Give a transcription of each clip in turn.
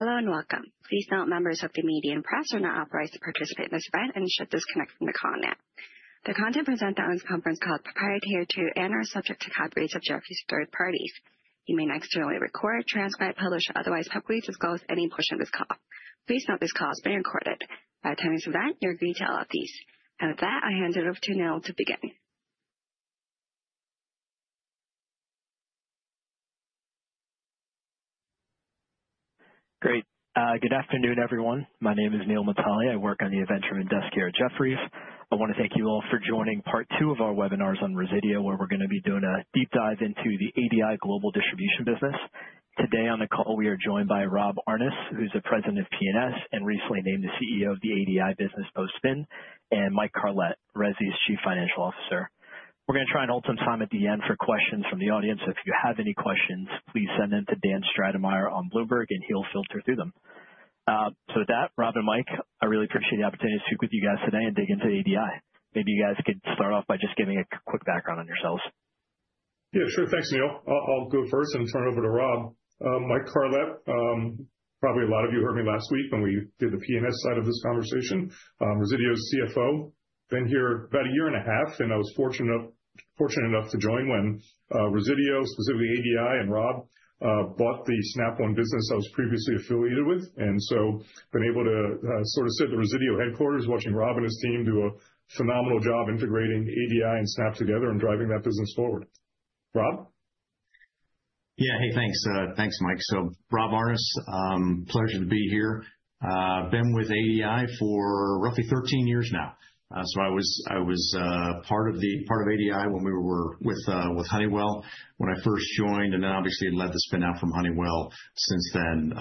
Hello and welcome. Please note members of the Media and Press are not authorized to participate in this event and should disconnect from the call now. The content presented on this conference is proprietary to and/or subject to copyright subjects to 3rd parties. You may not generally record, transcribe, publish, or otherwise publicly disclose any portion of this call. Please note this call is being recorded. By the time this event, you are agreed to all of these. With that, I'll hand it over to Neil to begin. Great. Good afternoon, everyone. My name is Neil Matalia. I work on the Events from Industrials at Jefferies. I want to thank you all for joining Part two of our Webinars on Resideo, where we're going to be doing a deep dive into the ADI Global Distribution business. Today on the call, we are joined by Rob Aarnes, who's the President of P&S and recently named the CEO of the ADI business post-spin, and Mike Carlet, Resideo's Chief Financial Officer. We're going to try and hold some time at the end for questions from the audience. If you have any questions, please send them to Dan Stratemeyer on Bloomberg, and he'll filter through them. With that, Rob and Mike, I really appreciate the opportunity to speak with you guys today and dig into ADI. Maybe you guys could start off by just giving a quick background on yourselves. Yeah, sure. Thanks, Neil. I'll go first and turn it over to Rob. Mike Carlet, probably a lot of you heard me last week when we did the P&S side of this conversation. Resideo's CFO, been here about a year and a half, and I was fortunate enough to join when Resideo, specifically ADI and Rob, bought the Snap One business I was previously affiliated with. I have been able to sort of sit at the Resideo headquarters watching Rob and his team do a phenomenal job integrating ADI and Snap together and driving that business forward. Rob? Yeah, hey, thanks. Thanks, Mike. Rob Aarnes, pleasure to be here. I've been with ADI for roughly 13 years now. I was part of ADI when we were with Honeywell when I first joined, and then obviously led the spin-out from Honeywell since then.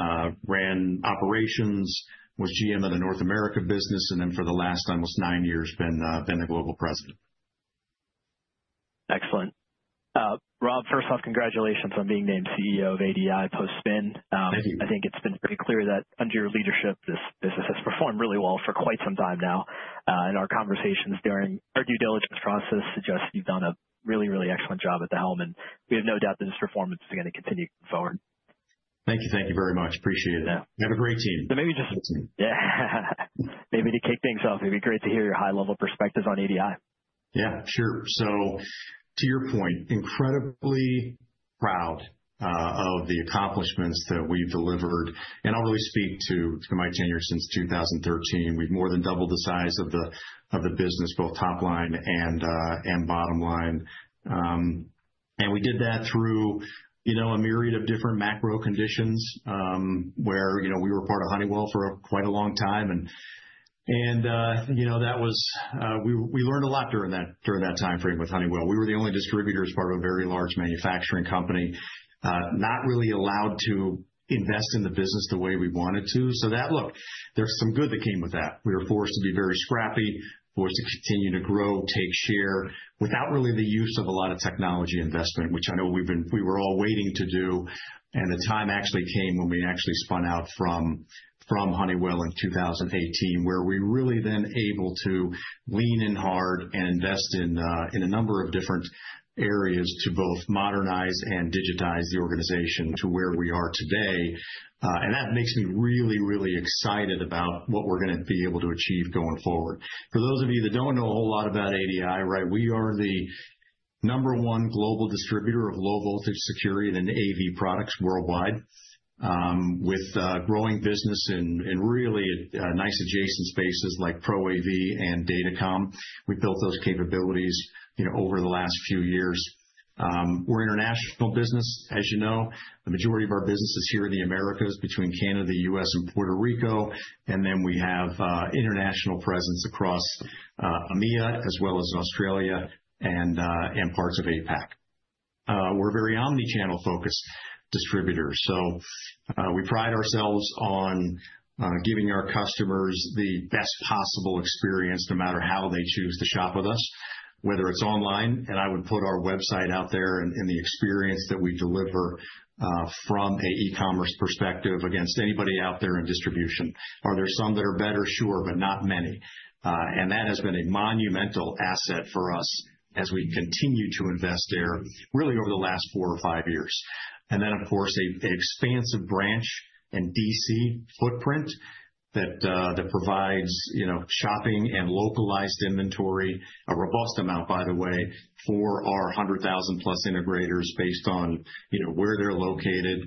Ran operations, was GM of the North America business, and then for the last almost nine years been the Global President. Excellent. Rob, first off, congratulations on being named CEO of ADI post-spin. Thank you. I think it's been very clear that under your leadership, this business has performed really well for quite some time now. Our conversations during our due diligence process suggest you've done a really, really excellent job at the helm, and we have no doubt that this performance is going to continue going forward. Thank you. Thank you very much. Appreciate it. Have a great team. Maybe just. Yeah. Maybe to kick things off, it'd be great to hear your high-level perspectives on ADI. Yeah, sure. To your point, incredibly proud of the accomplishments that we've delivered. I'll really speak to my tenure since 2013. We've more than doubled the size of the business, both top line and bottom line. We did that through a Myriad of different macro conditions where we were part of Honeywell for quite a long time. We learned a lot during that time frame with Honeywell. We were the only distributors, part of a very large manufacturing company, not really allowed to invest in the business the way we wanted to. Look, there's some good that came with that. We were forced to be very scrappy, forced to continue to grow, take share without really the use of a lot of technology investment, which I know we were all waiting to do. The time actually came when we actually spun out from Honeywell in 2018, where we really then were able to lean in hard and invest in a number of different areas to both modernize and digitize the organization to where we are today. That makes me really, really excited about what we're going to be able to achieve going forward. For those of you that don't know a whole lot about ADI, right, we are the number one Global Distributor of Low-voltage Security and AV products worldwide, with growing business in really nice adjacent spaces like ProAV and DataCom. We built those capabilities over the last few years. We're international business, as you know. The majority of our business is here in the Americas between Canada, the U.S., and Puerto Rico. We have international presence across EMEA as well as Australia and parts of APAC. We're a very Omnichannel-focused distributor. We pride ourselves on giving our customers the best possible experience no matter how they choose to shop with us, whether it's online. I would put our website out there and the experience that we deliver from an E-commerce perspective against anybody out there in distribution. Are there some that are better? Sure, but not many. That has been a monumental asset for us as we continue to invest there really over the last four or five years. Of course, an expansive branch and DC footprint provides shopping and localized inventory, a robust amount, by the way, for our 100,000+ integrators based on where they're located.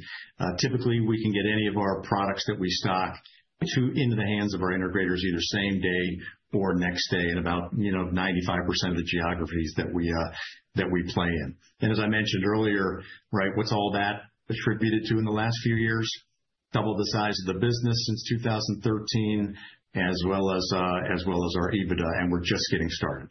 Typically, we can get any of our products that we stock into the hands of our integrators either same day or next day in about 95% of the geographies that we play in. As I mentioned earlier, right, what's all that attributed to in the last few years? Double the size of the business since 2013, as well as our EBITDA. We are just getting started.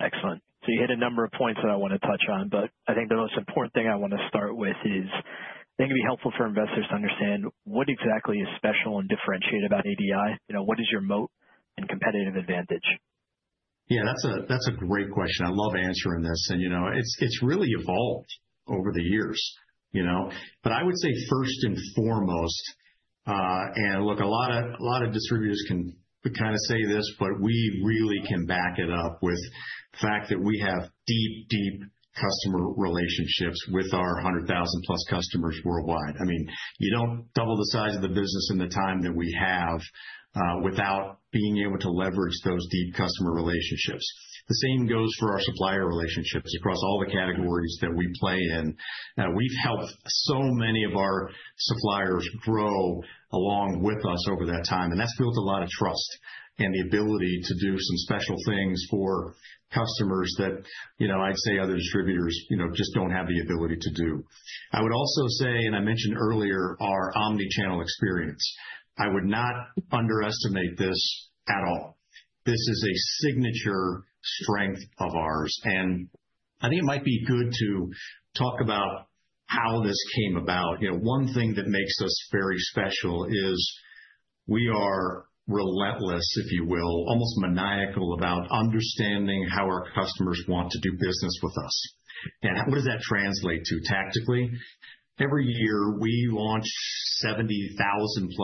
Excellent. You hit a number of points that I want to touch on, but I think the most important thing I want to start with is I think it'd be helpful for investors to understand what exactly is special and differentiated about ADI. What is your moat and competitive advantage? Yeah, that's a great question. I love answering this. It's really evolved over the years. I would say first and foremost, and look, a lot of distributors can kind of say this, but we really can back it up with the fact that we have deep, deep customer relationships with our 100,000+ customers worldwide. I mean, you don't double the size of the business in the time that we have without being able to leverage those deep customer relationships. The same goes for our supplier relationships across all the categories that we play in. We've helped so many of our suppliers grow along with us over that time. That's built a lot of trust and the ability to do some special things for customers that I'd say other distributors just don't have the ability to do. I would also say, and I mentioned earlier, our Omnichannel experience. I would not underestimate this at all. This is a signature strength of ours. I think it might be good to talk about how this came about. One thing that makes us very special is we are relentless, if you will, almost maniacal about understanding how our customers want to do business with us. What does that translate to tactically? Every year, we launch 70,000+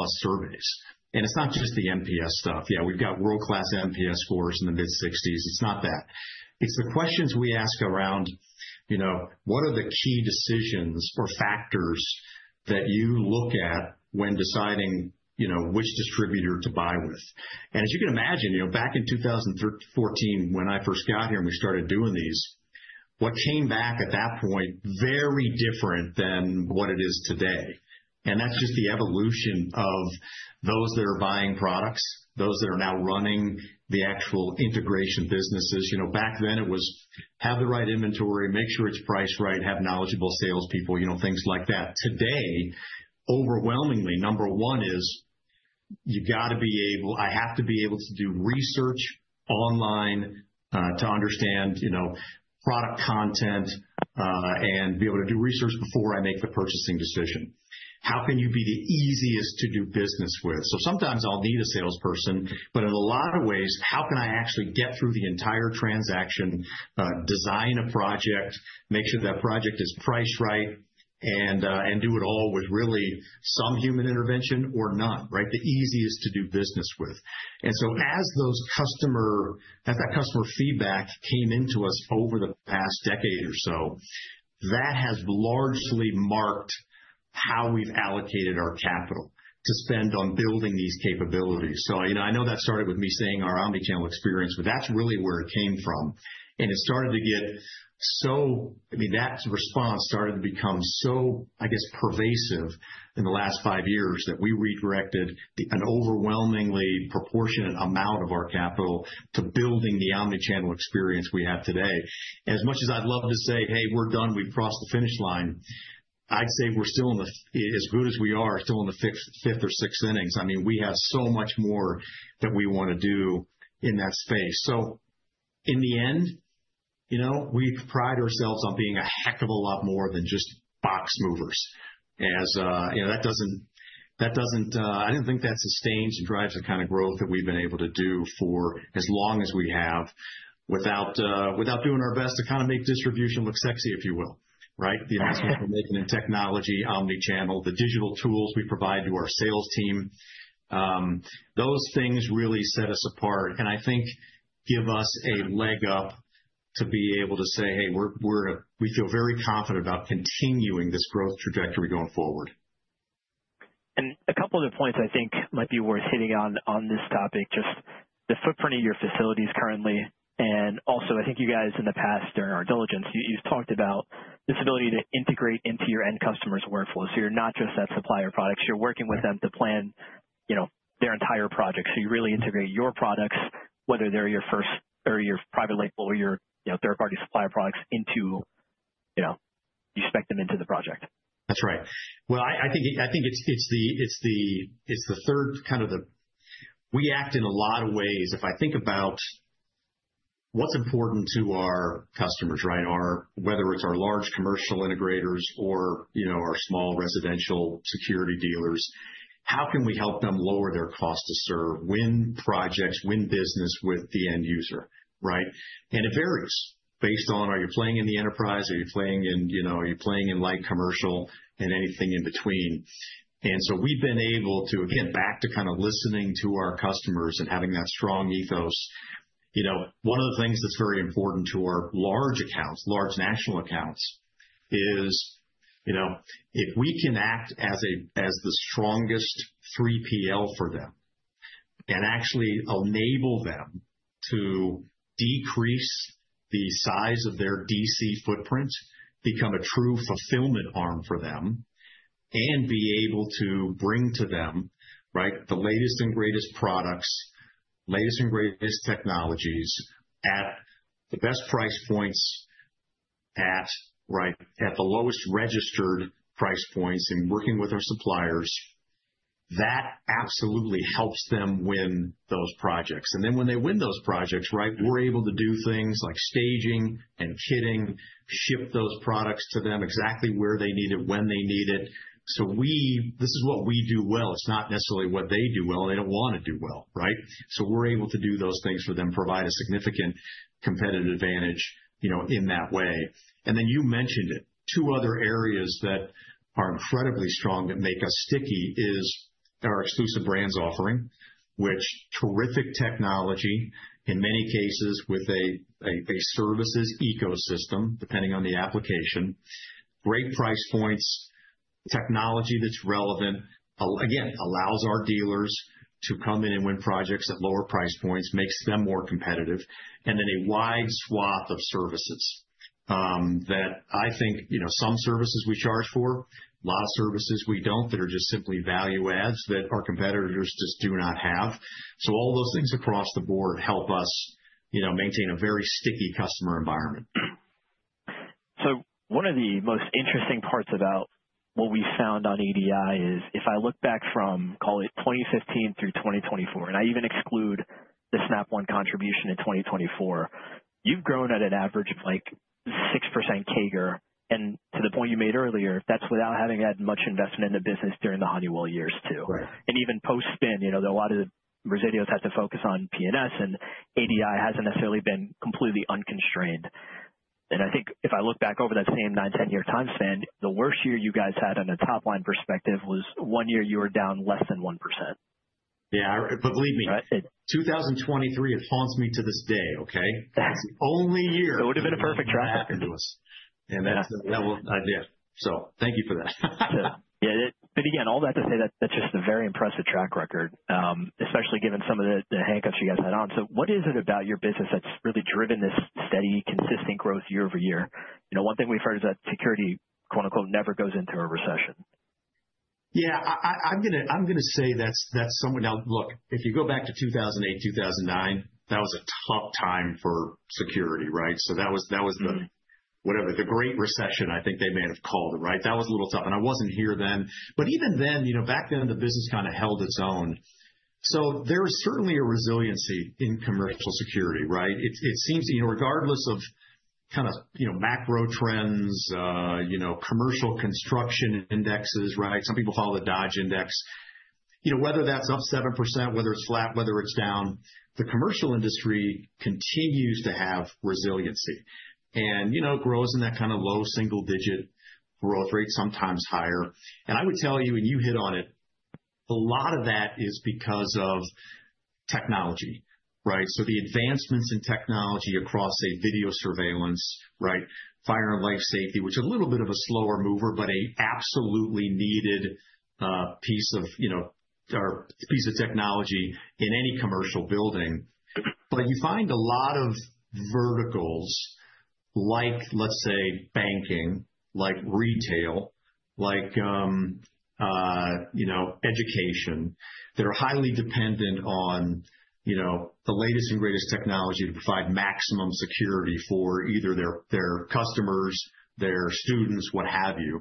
surveys. It is not just the MPS stuff. Yeah, we have got world-class MPS scores in the mid-60s. It is not that. It is the questions we ask around what are the key decisions or factors that you look at when deciding which distributor to buy with. As you can imagine, back in 2014, when I first got here and we started doing these, what came back at that point was very different than what it is today. That is just the evolution of those that are buying products, those that are now running the actual integration businesses. Back then, it was have the right inventory, make sure it is priced right, have knowledgeable salespeople, things like that. Today, overwhelmingly, number one is you have got to be able, I have to be able to do research online to understand product content and be able to do research before I make the purchasing decision. How can you be the easiest to do business with? Sometimes I will need a Salesperson, but in a lot of ways, how can I actually get through the entire transaction, design a project, make sure that project is priced right, and do it all with really some Human Intervention or none, right? The easiest to do business with. As that customer feedback came into us over the past decade or so, that has largely marked how we've allocated our capital to spend on building these capabilities. I know that started with me saying our Omnichannel experience, but that's really where it came from. It started to get, I mean, that response started to become so, I guess, pervasive in the last five years that we redirected an overwhelmingly proportionate amount of our capital to building the Omnichannel experience we have today. As much as I'd love to say, "Hey, we're done. We've crossed the finish line," I'd say we're still in the, as good as we are, still in the 5th or 6th innings. I mean, we have so much more that we want to do in that space. In the end, we pride ourselves on being a heck of a lot more than just box movers. That doesn't—I didn't think that sustains and drives the kind of growth that we've been able to do for as long as we have without doing our best to kind of make distribution look sexy, if you will, right? The investment we're making in technology, Omnichannel, the digital tools we provide to our Sales Team, those things really set us apart and I think give us a leg up to be able to say, "Hey, we feel very confident about continuing this growth trajectory going forward. A couple of the points I think might be worth hitting on this topic, just the footprint of your facilities currently. Also, I think you guys in the past, during our diligence, you've talked about this ability to integrate into your end customer's workflow. You're not just that supplier of products. You're working with them to plan their entire project. You really integrate your products, whether they're your private label or your 3rd-party supplier products, into you spec them into the project. That's right. I think it's the 3rd kind of the we act in a lot of ways. If I think about what's important to our customers, right, whether it's our Large Commercial Integrators or our Small Residential Security Dealers, how can we help them lower their cost to serve? Win projects, win business with the end user, right? It varies based on are you playing in the enterprise? Are you playing in light commercial and anything in between? We've been able to, again, back to kind of listening to our customers and having that strong ethos. One of the things that's very important to our Large accounts, Large national accounts, is if we can act as the strongest 3PL for them and actually enable them to decrease the size of their DC footprint, become a true fulfillment arm for them, and be able to bring to them, right, the latest and greatest products, latest and greatest technologies at the best price points, right, at the lowest registered price points and working with our suppliers, that absolutely helps them win those projects. When they win those projects, right, we're able to do things like staging and kitting, ship those products to them exactly where they need it, when they need it. This is what we do well. It's not necessarily what they do well. They don't want to do well, right? We're able to do those things for them, provide a significant competitive advantage in that way. You mentioned it. Two other areas that are incredibly strong that make us sticky is our exclusive brands offering, which, terrific technology, in many cases with a services ecosystem, depending on the application, great price points, technology that's relevant, again, allows our dealers to come in and win projects at lower price points, makes them more competitive, and then a wide swath of services that I think some services we charge for, a lot of services we don't that are just simply value adds that our competitors just do not have. All those things across the board help us maintain a very sticky customer environment. One of the most interesting parts about what we found on EDI is if I look back from, call it 2015 through 2024, and I even exclude the Snap One contribution in 2024, you've grown at an average of like 6% CAGR. To the point you made earlier, that's without having had much investment in the business during the Honeywell years too. Even post-spin, a lot of the residuals had to focus on P&S, and EDI hasn't necessarily been completely unconstrained. I think if I look back over that same 9-10 year time span, the worst year you guys had on a top-line perspective was one year you were down less than 1%. Yeah, believe me, 2023 haunts me to this day, okay? It's the only year. It would have been a perfect track record. That happened to us. That's the level I did. Thank you for that. Yeah. Again, all that to say that that's just a very impressive track record, especially given some of the handcuffs you guys had on. What is it about your business that's really driven this steady, consistent growth year over year? One thing we've heard is that security, quote-unquote, never goes into a recession. Yeah, I'm going to say that's somewhat now. Look, if you go back to 2008, 2009, that was a tough time for security, right? That was the, whatever, the great recession, I think they may have called it, right? That was a little tough. I wasn't here then. Even then, back then, the business kind of held its own. There is certainly a resiliency in Commercial Security, right? It seems regardless of kind of macro trends, commercial construction indexes, right? Some people follow the Dodge Index. Whether that's up 7%, whether it's flat, whether it's down, the Commercial Industry continues to have resiliency. It grows in that kind of low single-digit growth rate, sometimes higher. I would tell you, and you hit on it, a lot of that is because of technology, right? The advancements in technology across, say, video surveillance, right? Fire and life safety, which is a little bit of a slower mover, but an absolutely needed piece of technology in any commercial building. You find a lot of verticals like, let's say, banking, like retail, like education that are highly dependent on the latest and greatest technology to provide maximum security for either their customers, their students, what have you.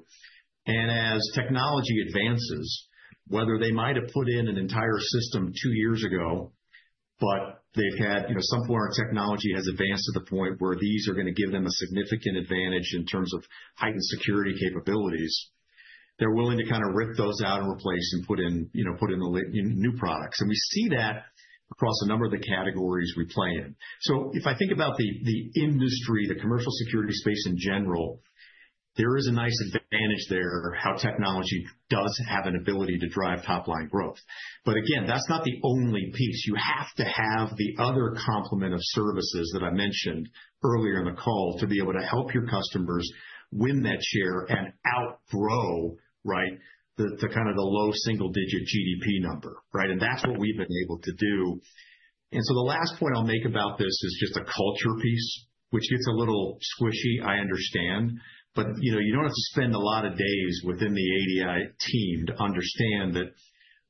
As technology advances, whether they might have put in an entire system two years ago, but they've had some form of technology has advanced to the point where these are going to give them a significant advantage in terms of heightened security capabilities, they're willing to kind of rip those out and replace and put in new products. We see that across a number of the categories we play in. If I think about the industry, the Commercial Security Space in general, there is a nice advantage there how technology does have an ability to drive top-line growth. Again, that's not the only piece. You have to have the other complement of services that I mentioned earlier in the call to be able to help your customers win that share and outgrow, right, the kind of the low single-digit GDP number, right? That's what we've been able to do. The last point I'll make about this is just a culture piece, which gets a little squishy, I understand. You don't have to spend a lot of days within the ADI team to understand that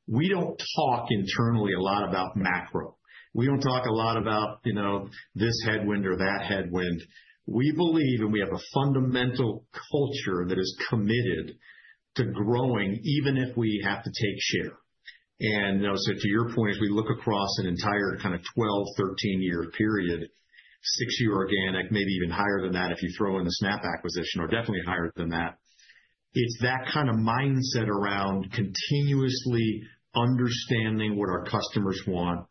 we don't talk internally a lot about macro. We don't talk a lot about this headwind or that headwind. We believe and we have a fundamental culture that is committed to growing even if we have to take share. To your point, as we look across an entire kind of 12, 13-year period, 6-year organic, maybe even higher than that if you throw in the Snap acquisition, or definitely higher than that, it's that kind of mindset around continuously understanding what our customers want,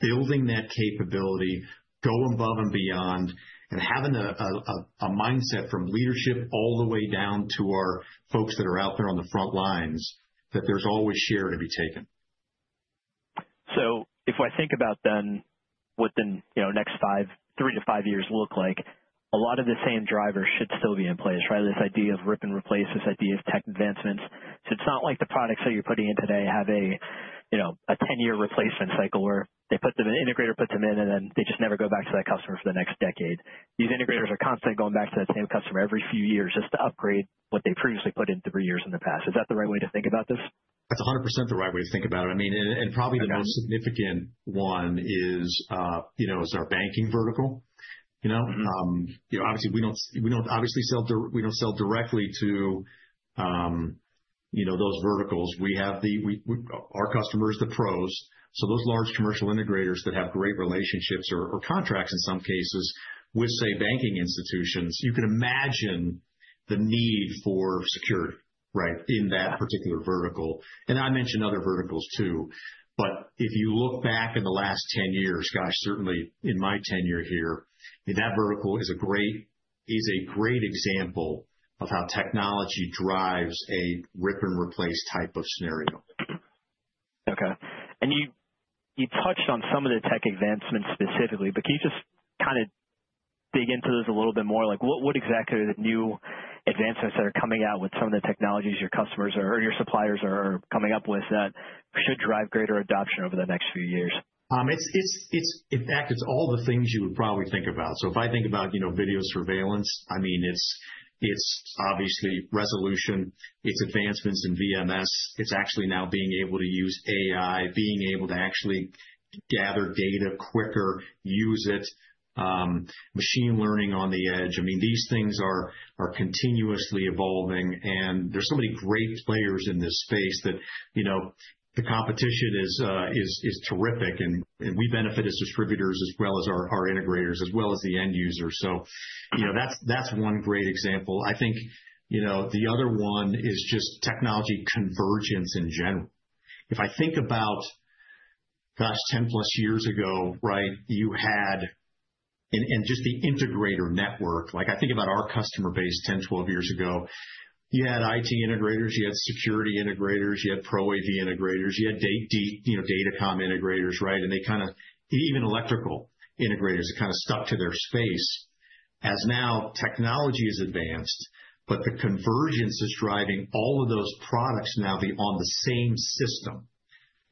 building that capability, going above and beyond, and having a mindset from leadership all the way down to our folks that are out there on the front lines that there's always share to be taken. If I think about then what the next three to five years look like, a lot of the same drivers should still be in place, right? This idea of rip and replace, this idea of tech advancements. It's not like the products that you're putting in today have a 10-year replacement cycle where they put them in, integrator puts them in, and then they just never go back to that customer for the next decade. These integrators are constantly going back to that same customer every few years just to upgrade what they previously put in three years in the past. Is that the right way to think about this? That's 100% the right way to think about it. I mean, and probably the most significant one is our banking vertical. Obviously, we don't obviously sell directly to those verticals. We have our customers, the pros. So those Large Commercial Integrators that have great relationships or contracts in some cases with, say, banking institutions, you can imagine the need for security, right, in that particular vertical. I mentioned other verticals too. If you look back in the last 10 years, gosh, certainly in my tenure here, that vertical is a great example of how technology drives a rip and replace type of scenario. Okay. You touched on some of the tech advancements specifically, but can you just kind of dig into those a little bit more? What exactly are the new advancements that are coming out with some of the technologies your customers or your suppliers are coming up with that should drive greater adoption over the next few years? In fact, it's all the things you would probably think about. If I think about video surveillance, I mean, it's obviously resolution. It's advancements in VMS. It's actually now being able to use AI, being able to actually gather data quicker, use it, Machine Learning on the edge. I mean, these things are continuously evolving. There are so many great players in this space that the competition is terrific. We benefit as distributors as well as our integrators, as well as the end users. That's one great example. I think the other one is just technology convergence in general. If I think about, gosh, 10+ years ago, right, you had, and just the integrator network, like I think about our customer base 10, 12 years ago, you had IT integrators, you had security integrators, you had ProAV integrators, you had DataCom integrators, right? They kind of, even Electrical integrators, kind of stuck to their space. As now technology has advanced, the convergence is driving all of those products now to be on the same system,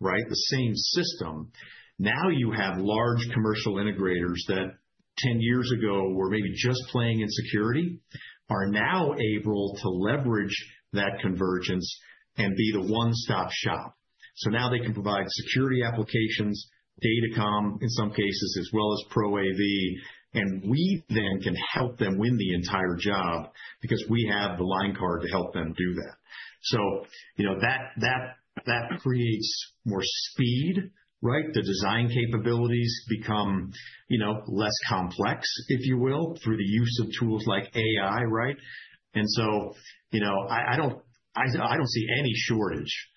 right? The same system. Now you have Large Commercial Integrators that 10 years ago were maybe just playing in security, are now able to leverage that convergence and be the one-stop shop. Now they can provide security applications, DataCom in some cases, as well as ProAV, and we then can help them win the entire job because we have the line card to help them do that. That creates more speed, right? The design capabilities become less complex, if you will, through the use of tools like AI, right? I do not see any shortage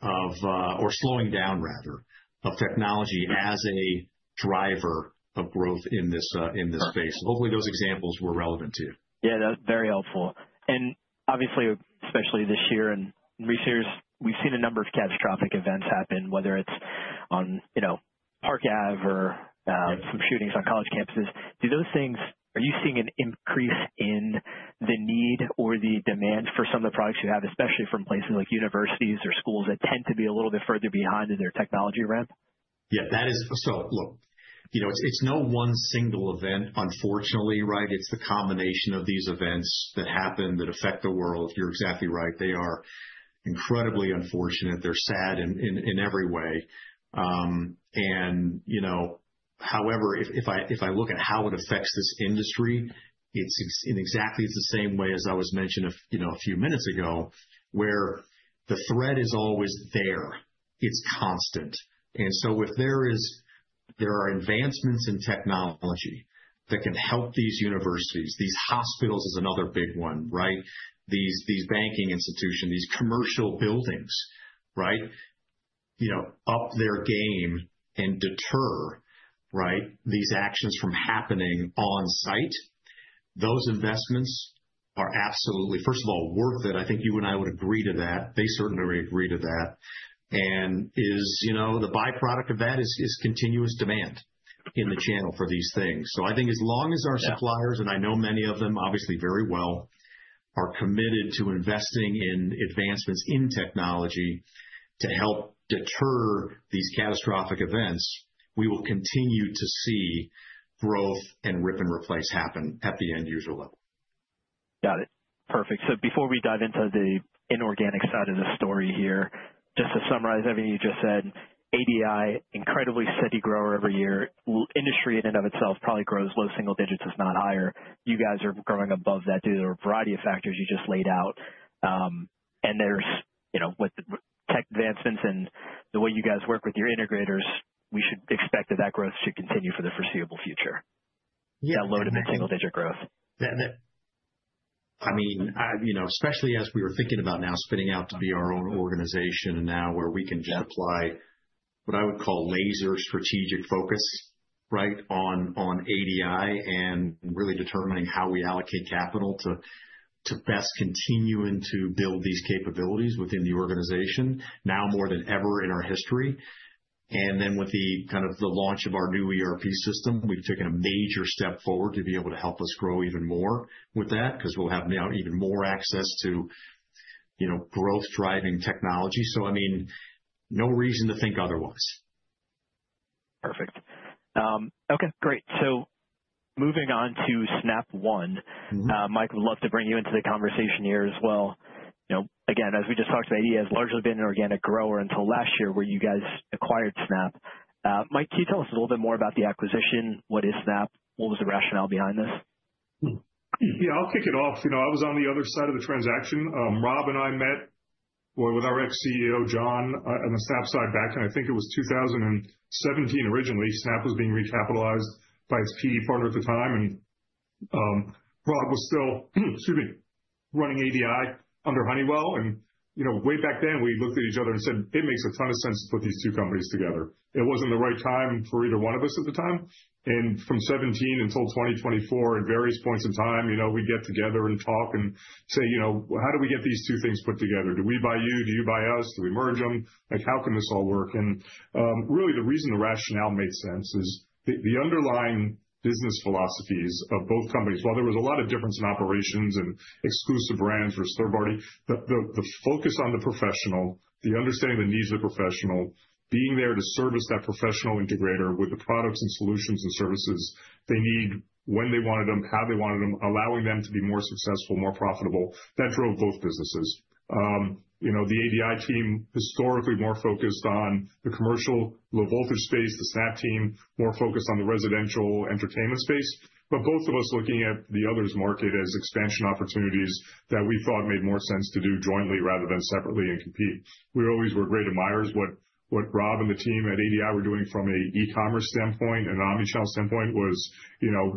of, or slowing down rather, of technology as a driver of growth in this space. Hopefully, those examples were relevant to you. Yeah, that's very helpful. Obviously, especially this year and recent years, we've seen a number of catastrophic events happen, whether it's on Park Ave or some shootings on college campuses. Do those things, are you seeing an increase in the need or the demand for some of the products you have, especially from places like universities or schools that tend to be a little bit further behind in their technology ramp? Yeah, that is, so look, it's no one single event, unfortunately, right? It's the combination of these events that happen that affect the world. You're exactly right. They are incredibly unfortunate. They're sad in every way. However, if I look at how it affects this industry, it's in exactly the same way as I was mentioning a few minutes ago, where the threat is always there. It's constant. If there are advancements in technology that can help these universities, these hospitals is another big one, right? These banking institutions, these commercial buildings, right? Up their game and deter, right, these actions from happening on site. Those investments are absolutely, first of all, worth it. I think you and I would agree to that. They certainly agree to that. The byproduct of that is continuous demand in the channel for these things. I think as long as our suppliers, and I know many of them obviously very well, are committed to investing in advancements in technology to help deter these catastrophic events, we will continue to see growth and rip and replace happen at the end user level. Got it. Perfect. Before we dive into the inorganic side of the story here, just to summarize everything you just said, ADI, incredibly steady grower every year. Industry in and of itself probably grows low single digits, if not higher. You guys are growing above that due to a variety of factors you just laid out. With tech advancements and the way you guys work with your integrators, we should expect that that growth should continue for the foreseeable future. That low to mid-single digit growth. I mean, especially as we were thinking about now spinning out to be our own organization and now where we can just apply what I would call laser strategic focus, right, on ADI and really determining how we allocate capital to best continue to build these capabilities within the organization, now more than ever in our history. Then with the kind of the launch of our new ERP system, we've taken a major step forward to be able to help us grow even more with that because we'll have now even more access to growth-driving technology. I mean, no reason to think otherwise. Perfect. Okay, great. Moving on to Snap One, Mike, would love to bring you into the conversation here as well. Again, as we just talked about, ADI has largely been an organic grower until last year where you guys acquired Snap. Mike, can you tell us a little bit more about the acquisition? What is Snap? What was the rationale behind this? Yeah, I'll kick it off. I was on the other side of the transaction. Rob and I met with our ex-CEO, John, on the Snap side back in, I think it was 2017 originally. Snap was being recapitalized by its PE partner at the time. Rob was still, excuse me, running ADI under Honeywell. Way back then, we looked at each other and said, "It makes a ton of sense to put these two companies together." It was not the right time for either one of us at the time. From 2017 until 2024, at various points in time, we'd get together and talk and say, "How do we get these two things put together? Do we buy you? Do you buy us? Do we merge them? How can this all work?" Really, the reason the rationale made sense is the underlying business philosophies of both companies. While there was a lot of difference in operations and exclusive brands versus third party, the focus on the professional, the understanding of the needs of the professional, being there to service that professional integrator with the products and solutions and services they need when they wanted them, how they wanted them, allowing them to be more successful, more profitable, that drove both businesses. The ADI team historically more focused on the Commercial low-voltage space, the Snap team more focused on the Residential entertainment space. Both of us looking at the other's market as expansion opportunities that we thought made more sense to do jointly rather than separately and compete. We always were great admirers. What Rob and the team at ADI were doing from an E-commerce standpoint and an Omnichannel standpoint was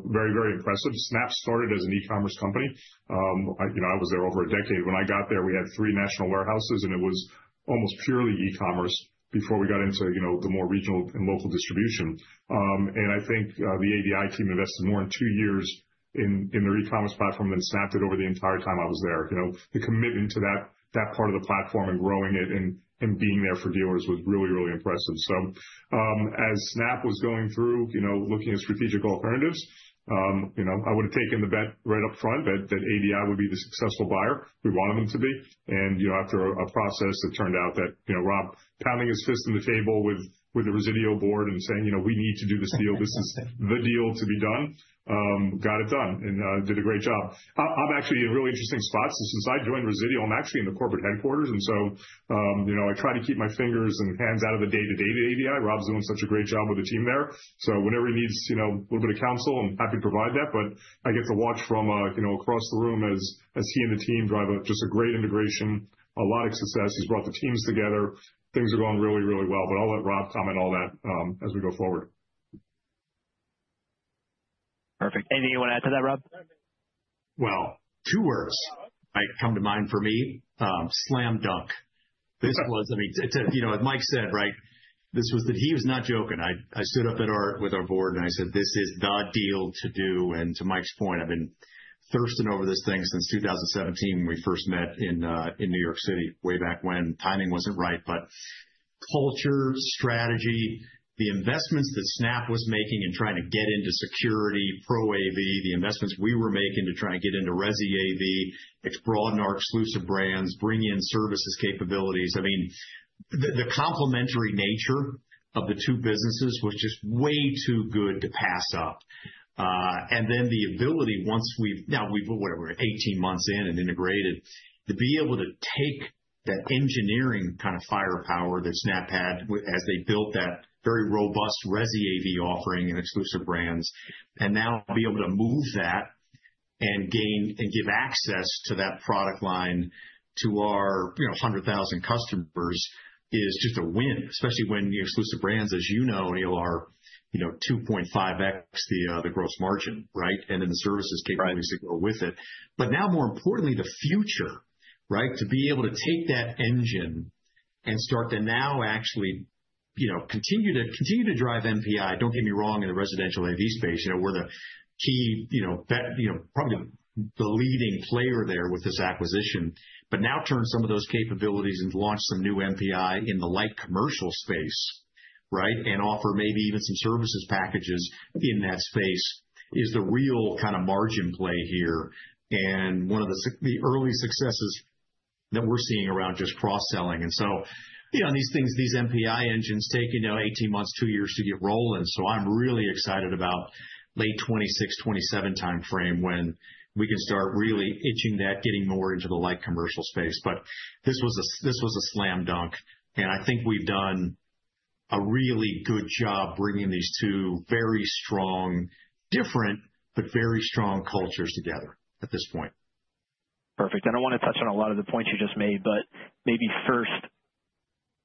very, very impressive. Snap started as an E-commerce company. I was there over a decade. When I got there, we had three national warehouses, and it was almost purely E-commerce before we got into the more regional and local distribution. I think the ADI team invested more in two years in their E-commerce platform than Snap did over the entire time I was there. The commitment to that part of the platform and growing it and being there for dealers was really, really impressive. As Snap was going through looking at strategic alternatives, I would have taken the bet right up front that ADI would be the successful buyer. We wanted them to be. After a process, it turned out that Rob pounding his fist on the table with the Resideo board and saying, "We need to do this deal. This is the deal to be done," got it done and did a great job. I'm actually in really interesting spots. Since I joined Resideo, I'm actually in the corporate headquarters. I try to keep my fingers and hands out of the day-to-day of ADI. Rob's doing such a great job with the team there. Whenever he needs a little bit of counsel, I'm happy to provide that. I get to watch from across the room as he and the team drive just a great integration, a lot of success. He's brought the teams together. Things are going really, really well. I'll let Rob comment on that as we go forward. Perfect. Anything you want to add to that, Rob? Two words come to mind for me, slam dunk. I mean, as Mike said, right, this was that he was not joking. I stood up at our board and I said, "This is the deal to do." To Mike's point, I've been thirsting over this thing since 2017 when we first met in New York City, way back when timing was not right. Culture, strategy, the investments that Snap was making in trying to get into security, ProAV, the investments we were making to try and get into Resi AV, broaden our exclusive brands, bring in services capabilities. I mean, the complementary nature of the two businesses was just way too good to pass up. The ability, once we've now, we've whatever, 18 months in and integrated, to be able to take that engineering kind of Firepower that Snap had as they built that very Resi AV offering and exclusive brands, and now be able to move that and give access to that product line to our 100,000 customers is just a win, especially when the exclusive brands, as you know, are 2.5x the gross margin, right? The services capabilities that go with it. Now, more importantly, the future, right, to be able to take that engine and start to now actually continue to drive MPI, don't get me wrong, in the Residential AV space, where the key, probably the leading player there with this acquisition, but now turn some of those capabilities and launch some new MPI in the light commercial space, right, and offer maybe even some services packages in that space is the real kind of margin play here and one of the early successes that we're seeing around just cross-selling. These things, these MPI engines take 18 months, two years to get rolling. I'm really excited about late 2026, 2027 timeframe when we can start really itching that, getting more into the light commercial space. This was a slam dunk. I think we've done a really good job bringing these two very strong, different, but very strong cultures together at this point. Perfect. I do not want to touch on a lot of the points you just made, but maybe first,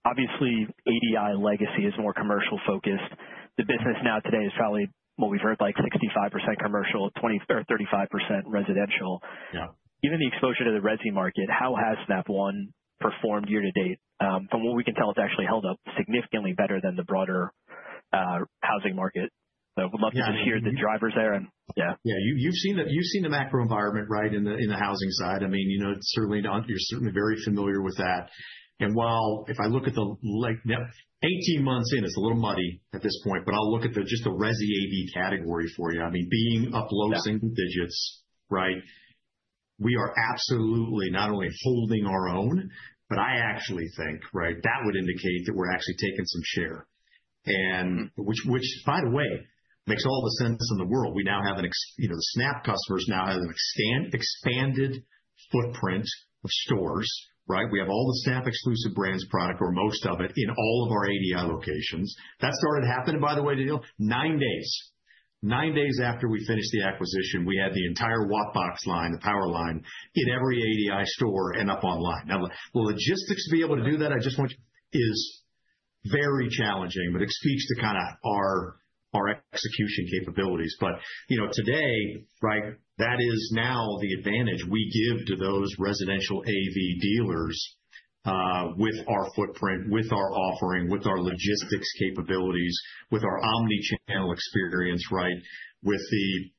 obviously, ADI legacy is more commercial-focused. The business now today is probably, what we have heard, like 65% commercial or 35% residential. Given the exposure to the Resideo market, how has Snap One performed year to date? From what we can tell, it has actually held up significantly better than the broader housing market. I would love to just hear the drivers there. Yeah, you've seen the macro environment, right, in the housing side. I mean, you're certainly very familiar with that. While if I look at the 18 months in, it's a little muddy at this point, but I'll look at just the Resi AV category for you. I mean, being up low single digits, right? We are absolutely not only holding our own, but I actually think, right, that would indicate that we're actually taking some share. Which, by the way, makes all the sense in the world. We now have the Snap customers now have an expanded footprint of stores, right? We have all the Snap exclusive brands product or most of it in all of our ADI locations. That started happening, by the way, nine days. Nine days after we finished the acquisition, we had the entire Walkbox Line, the Power Line in every ADI store and up online. Now, will logistics be able to do that? I just want to, it is very challenging, but it speaks to kind of our execution capabilities. Today, right, that is now the advantage we give to those Residential AV dealers with our footprint, with our offering, with our logistics capabilities, with our Omnichannel experience, right? With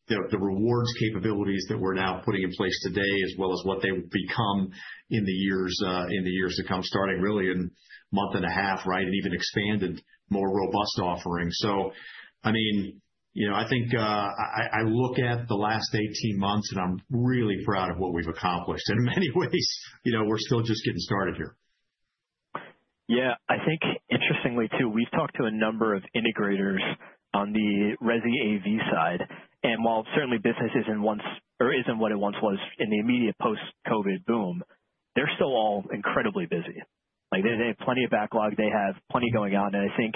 the rewards capabilities that we're now putting in place today, as well as what they will become in the years to come, starting really in a month and a half, right? And even expanded more robust offering. I mean, I think I look at the last 18 months and I'm really proud of what we've accomplished. In many ways, we're still just getting started here. Yeah. I think interestingly too, we've talked to a number of integrators on the Resi AV side. And while certainly business isn't what it once was in the immediate Post-COVID boom, they're still all incredibly busy. They have plenty of backlog. They have plenty going on. I think,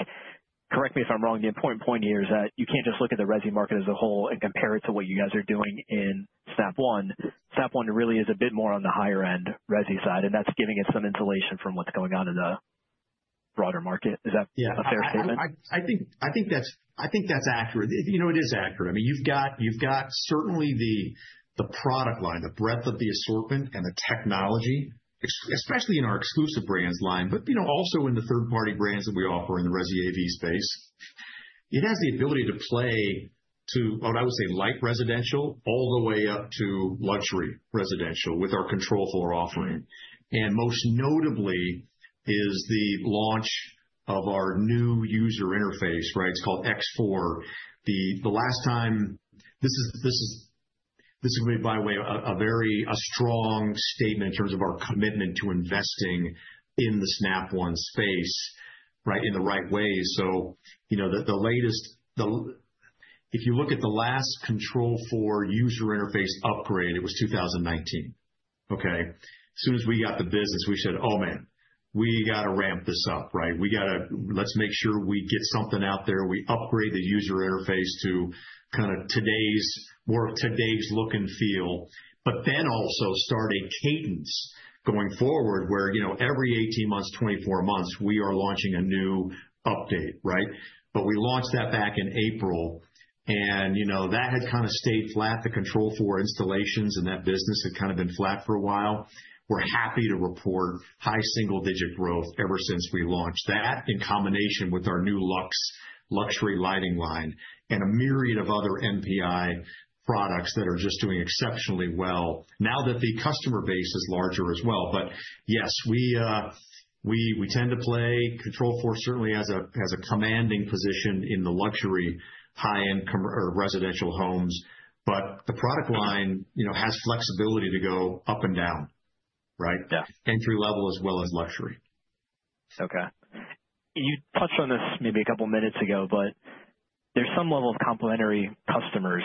correct me if I'm wrong, the important point here is that you can't just look at the Resi market as a whole and compare it to what you guys are doing in Snap One. Snap One really is a bit more on the higher-end Resi side, and that's giving it some insulation from what's going on in the broader market. Is that a fair statement? I think that's accurate. It is accurate. I mean, you've got certainly the product line, the breadth of the assortment and the technology, especially in our exclusive brands line, but also in the third-party brands that we offer in the Resi AV space. It has the ability to play to, what I would say, light residential all the way up to luxury residential with our Control4 offering. Most notably is the launch of our new user interface, right? It's called X4. The last time, this is, by the way, a very strong statement in terms of our commitment to investing in the Snap One space, right, in the right way. The latest, if you look at the last Control4 user interface upgrade, it was 2019. Okay? As soon as we got the business, we said, "Oh man, we got to ramp this up," right? We got to, let's make sure we get something out there. We upgrade the user interface to kind of more of today's look and feel, but then also start a cadence going forward where every 18-24 months, we are launching a new update, right? We launched that back in April, and that had kind of stayed flat. The Control4 installations and that business had kind of been flat for a while. We're happy to report high single-digit growth ever since we launched that in combination with our new Luxury Lighting Line and a myriad of other MPI products that are just doing exceptionally well now that the customer base is larger as well. Yes, we tend to play Control4 certainly as a commanding position in the luxury high-end residential homes, but the product line has flexibility to go up and down, right? Yeah. Entry level as well as luxury. Okay. You touched on this maybe a couple of minutes ago, but there's some level of complementary customers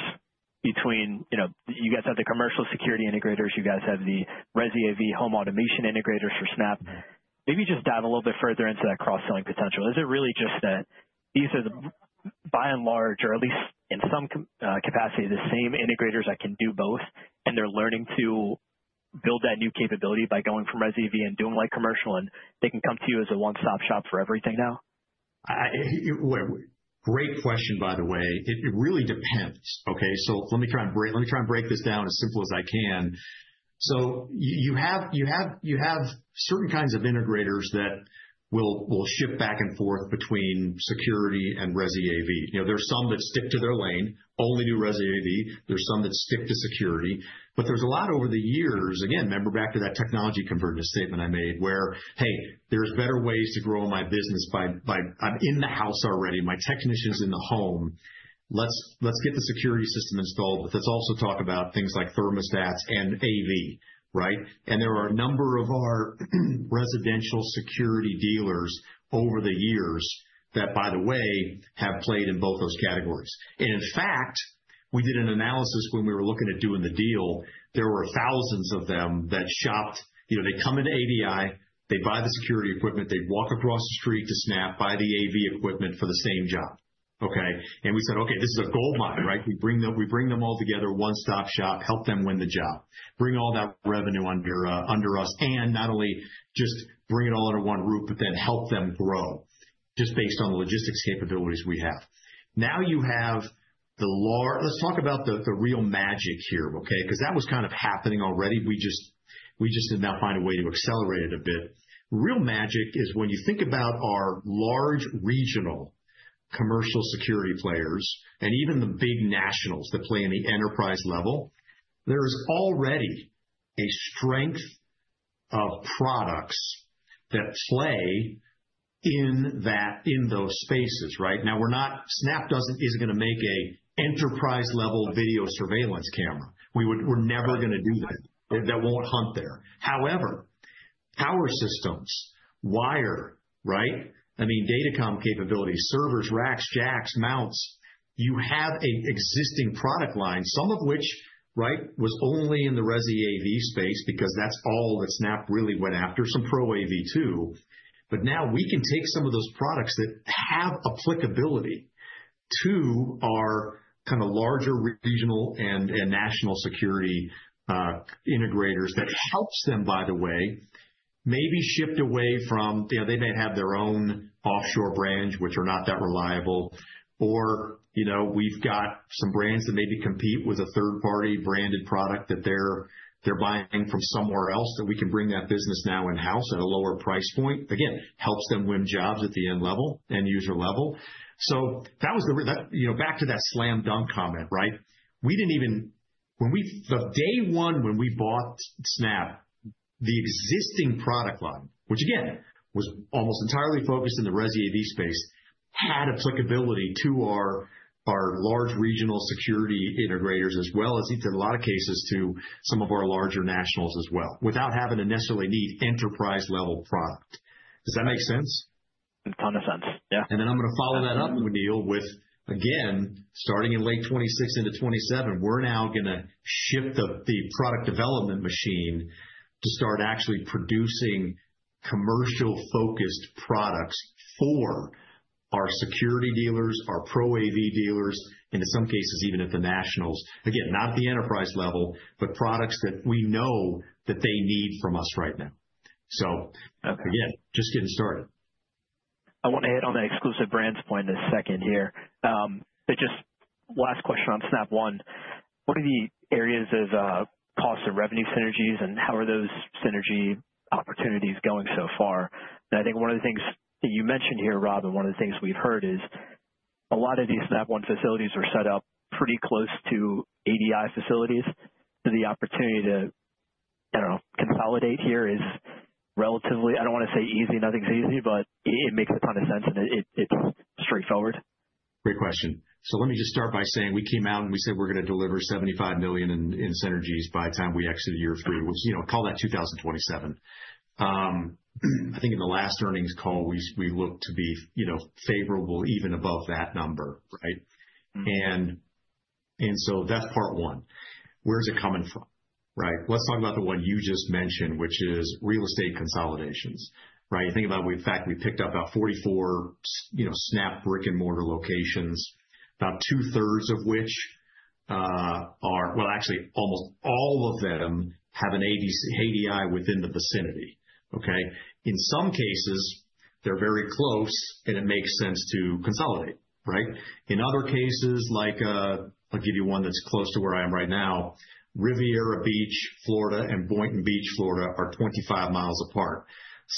between you guys have the Commercial Security Integrators. You guys have the Resi AV Home Automation Integrators for Snap. Maybe just dive a little bit further into that cross-selling potential. Is it really just that these are, by and large, or at least in some capacity, the same integrators that can do both, and they're learning to build that new capability by going from Resi AV and doing light commercial, and they can come to you as a one-stop shop for everything now? Great question, by the way. It really depends. Okay? Let me try and break this down as simple as I can. You have certain kinds of integrators that will shift back and forth between security and Resi AV. There's some that stick to their lane, only do Resi AV. There's some that stick to security. There's a lot over the years. Again, remember back to that technology convergence statement I made where, "Hey, there's better ways to grow my business. I'm in the house already. My technician's in the home. Let's get the security system installed," but let's also talk about things like thermostats and AV, right? There are a number of our residential security dealers over the years that, by the way, have played in both those categories. In fact, we did an analysis when we were looking at doing the deal. There were thousands of them that shopped. They come into ADI, they buy the security equipment, they walk across the street to Snap, buy the AV equipment for the same job. Okay? We said, "Okay, this is a gold mine," right? We bring them all together, one-stop shop, help them win the job, bring all that revenue under us, and not only just bring it all under one roof, but then help them grow just based on the logistics capabilities we have. Now you have the large—let's talk about the real magic here, okay? Because that was kind of happening already. We just did not find a way to accelerate it a bit. Real magic is when you think about our Large Regional Commercial Security players and even the big nationals that play in the enterprise level, there is already a strength of products that play in those spaces, right? Now, Snap isn't going to make an enterprise-level video surveillance camera. We're never going to do that. That won't hunt there. However, Power Systems, wire, right? I mean, DataCom capabilities, servers, racks, jacks, mounts. You have an existing product line, some of which, right, was only in the Resi AV space because that's all that Snap really went after, some ProAV too. Now we can take some of those products that have applicability to our kind of larger regional and national security integrators that helps them, by the way, maybe shift away from—they may have their own offshore branch, which are not that reliable. We've got some brands that maybe compete with a 3rd-party branded product that they're buying from somewhere else that we can bring that business now in-house at a lower price point. Again, helps them win jobs at the end level and user level. That was the—back to that slam dunk comment, right? Day one when we bought Snap, the existing product line, which again was almost entirely focused in the Resi AV space, had applicability to our Large Regional Security Integrators, as well as, in a lot of cases, to some of our larger nationals as well, without having to necessarily need enterprise-level product. Does that make sense? makes a ton of sense. Yeah. I'm going to follow that up, Neil, with, again, starting in late 2026 into 2027, we're now going to shift the product development machine to start actually producing commercial-focused products for our security dealers, our ProAV dealers, and in some cases, even at the nationals. Again, not at the enterprise level, but products that we know that they need from us right now. Again, just getting started. I want to add on that exclusive brands point in a second here. Just last question on Snap One. What are the areas of cost and revenue synergies, and how are those synergy opportunities going so far? I think one of the things that you mentioned here, Rob, and one of the things we've heard is a lot of these Snap One facilities are set up pretty close to ADI facilities. The opportunity to, I don't know, consolidate here is relatively—I don't want to say easy. Nothing's easy, but it makes a ton of sense, and it's straightforward. Great question. Let me just start by saying we came out and we said we're going to deliver $75 million in synergies by the time we exit year three, which is, call that 2027. I think in the last earnings call, we looked to be favorable even above that number, right? That's part one. Where's it coming from, right? Let's talk about the one you just mentioned, which is Real Estate consolidations, right? You think about, in fact, we picked up about 44 Snap brick-and-mortar locations, about 2/3 of which are—well, actually, almost all of them have an ADI within the vicinity, okay? In some cases, they're very close, and it makes sense to consolidate, right? In other cases, like I'll give you one that's close to where I am right now. Riviera Beach, Florida, and Boynton Beach, Florida, are 25 mi apart.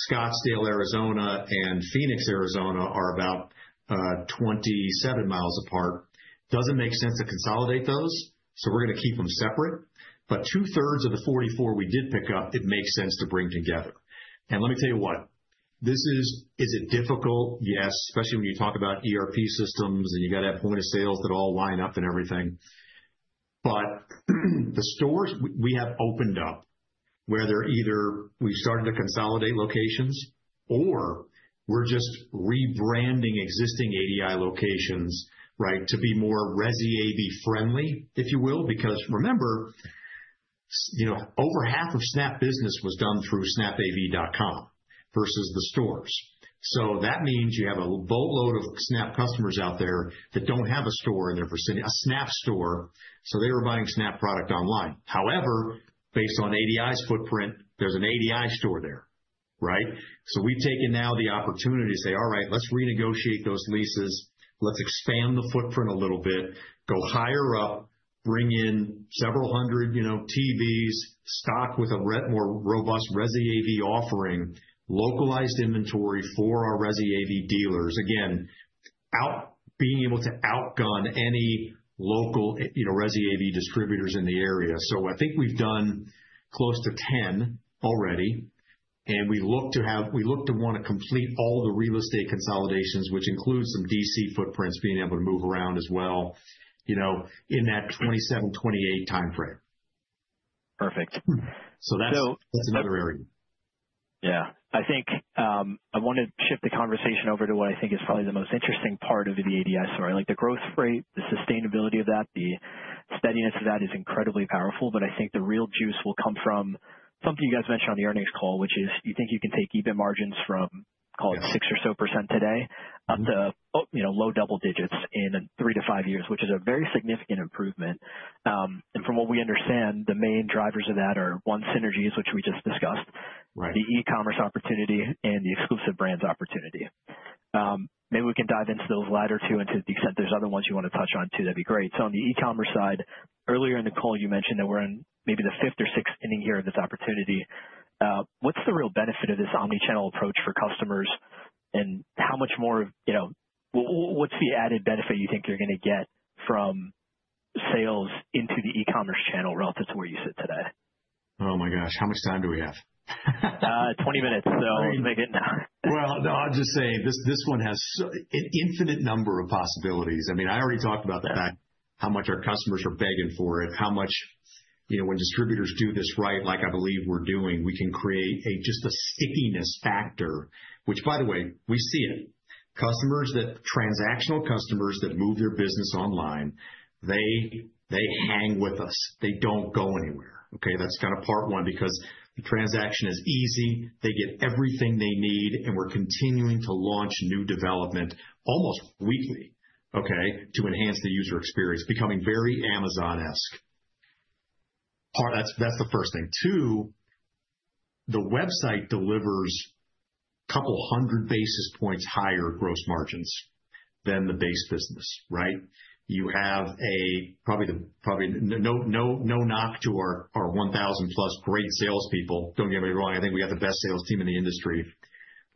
Scottsdale, Arizona, and Phoenix, Arizona, are about 27 mi apart. It does not make sense to consolidate those, so we are going to keep them separate. 2/3 of the 44 we did pick up, it makes sense to bring together. Let me tell you what. Is it difficult? Yes, especially when you talk about ERP systems and you have to have point of sales that all line up and everything. The stores we have opened up where either we have started to consolidate locations or we are just rebranding existing ADI locations to be Resi AV friendly, if you will, because remember, over half of Snap business was done through snapav.com versus the stores. That means you have a boatload of Snap customers out there that do not have a store in their vicinity, a Snap store. They were buying Snap product online. However, based on ADI's footprint, there's an ADI store there, right? We have taken now the opportunity to say, "All right, let's renegotiate those leases. Let's expand the footprint a little bit, go higher up, bring in several hundred TVs, stock with a more robust Resi AV offering, localized inventory for our Resi AV dealers." Again, being able to outgun any local Resi AV distributors in the area. I think we have done close to 10 already, and we look to have—we look to want to complete all the real estate consolidations, which includes some DC footprints, being able to move around as well in that 2027, 2028 timeframe. Perfect. That's another area. Yeah. I think I want to shift the conversation over to what I think is probably the most interesting part of the ADI story. The growth rate, the sustainability of that, the steadiness of that is incredibly powerful, but I think the real juice will come from something you guys mentioned on the earnings call, which is you think you can take EBIT margins from, call it 6% or so today up to low double digits in three to five years, which is a very significant improvement. From what we understand, the main drivers of that are one, synergies, which we just discussed, the E-commerce opportunity, and the exclusive brands opportunity. Maybe we can dive into those latter two and to the extent there's other ones you want to touch on too, that'd be great. On the E-commerce side, earlier in the call, you mentioned that we're in maybe the 5th or 6th inning here of this opportunity. What's the real benefit of this Omnichannel approach for customers, and how much more of—what's the added benefit you think you're going to get from sales into the E-commerce channel relative to where you sit today? Oh my gosh, how much time do we have? 20 minutes, so we'll make it now. No, I'll just say this one has an infinite number of possibilities. I mean, I already talked about the fact how much our customers are begging for it, how much when distributors do this right, like I believe we're doing, we can create just a stickiness factor, which, by the way, we see it. Customers that—transactional customers that move their business online, they hang with us. They do not go anywhere. Okay? That is kind of part one because the transaction is easy. They get everything they need, and we're continuing to launch new development almost weekly, okay, to enhance the User Experience, becoming very Amazon-esque. That is the first thing. Two, the website delivers a couple hundred basis points higher gross margins than the base business, right? You have a—probably no knock to our 1,000-plus great Salespeople. Do not get me wrong. I think we have the best sales team in the industry.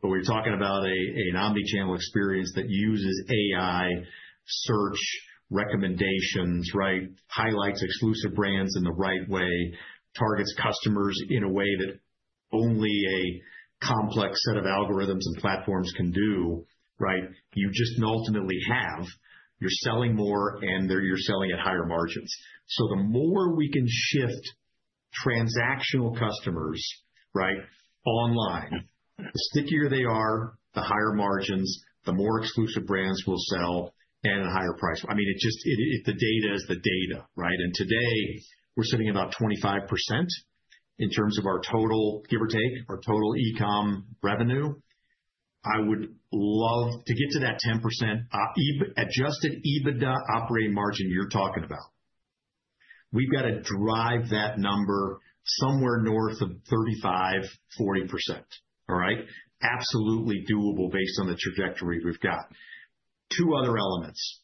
We're talking about an Omnichannel experience that uses AI, search, recommendations, right, highlights exclusive brands in the right way, targets customers in a way that only a complex set of algorithms and platforms can do, right? You just ultimately have—you are selling more, and you are selling at higher margins. The more we can shift transactional customers, right, online, the stickier they are, the higher margins, the more exclusive brands we will sell and at a higher price. I mean, the data is the data, right? Today, we are sitting at about 25% in terms of our total, give or take, our total e-com revenue. I would love to get to that 10% adjusted EBITDA operating margin you are talking about. We have got to drive that number somewhere north of 35-40%, all right? Absolutely doable based on the trajectory we've got. Two other elements.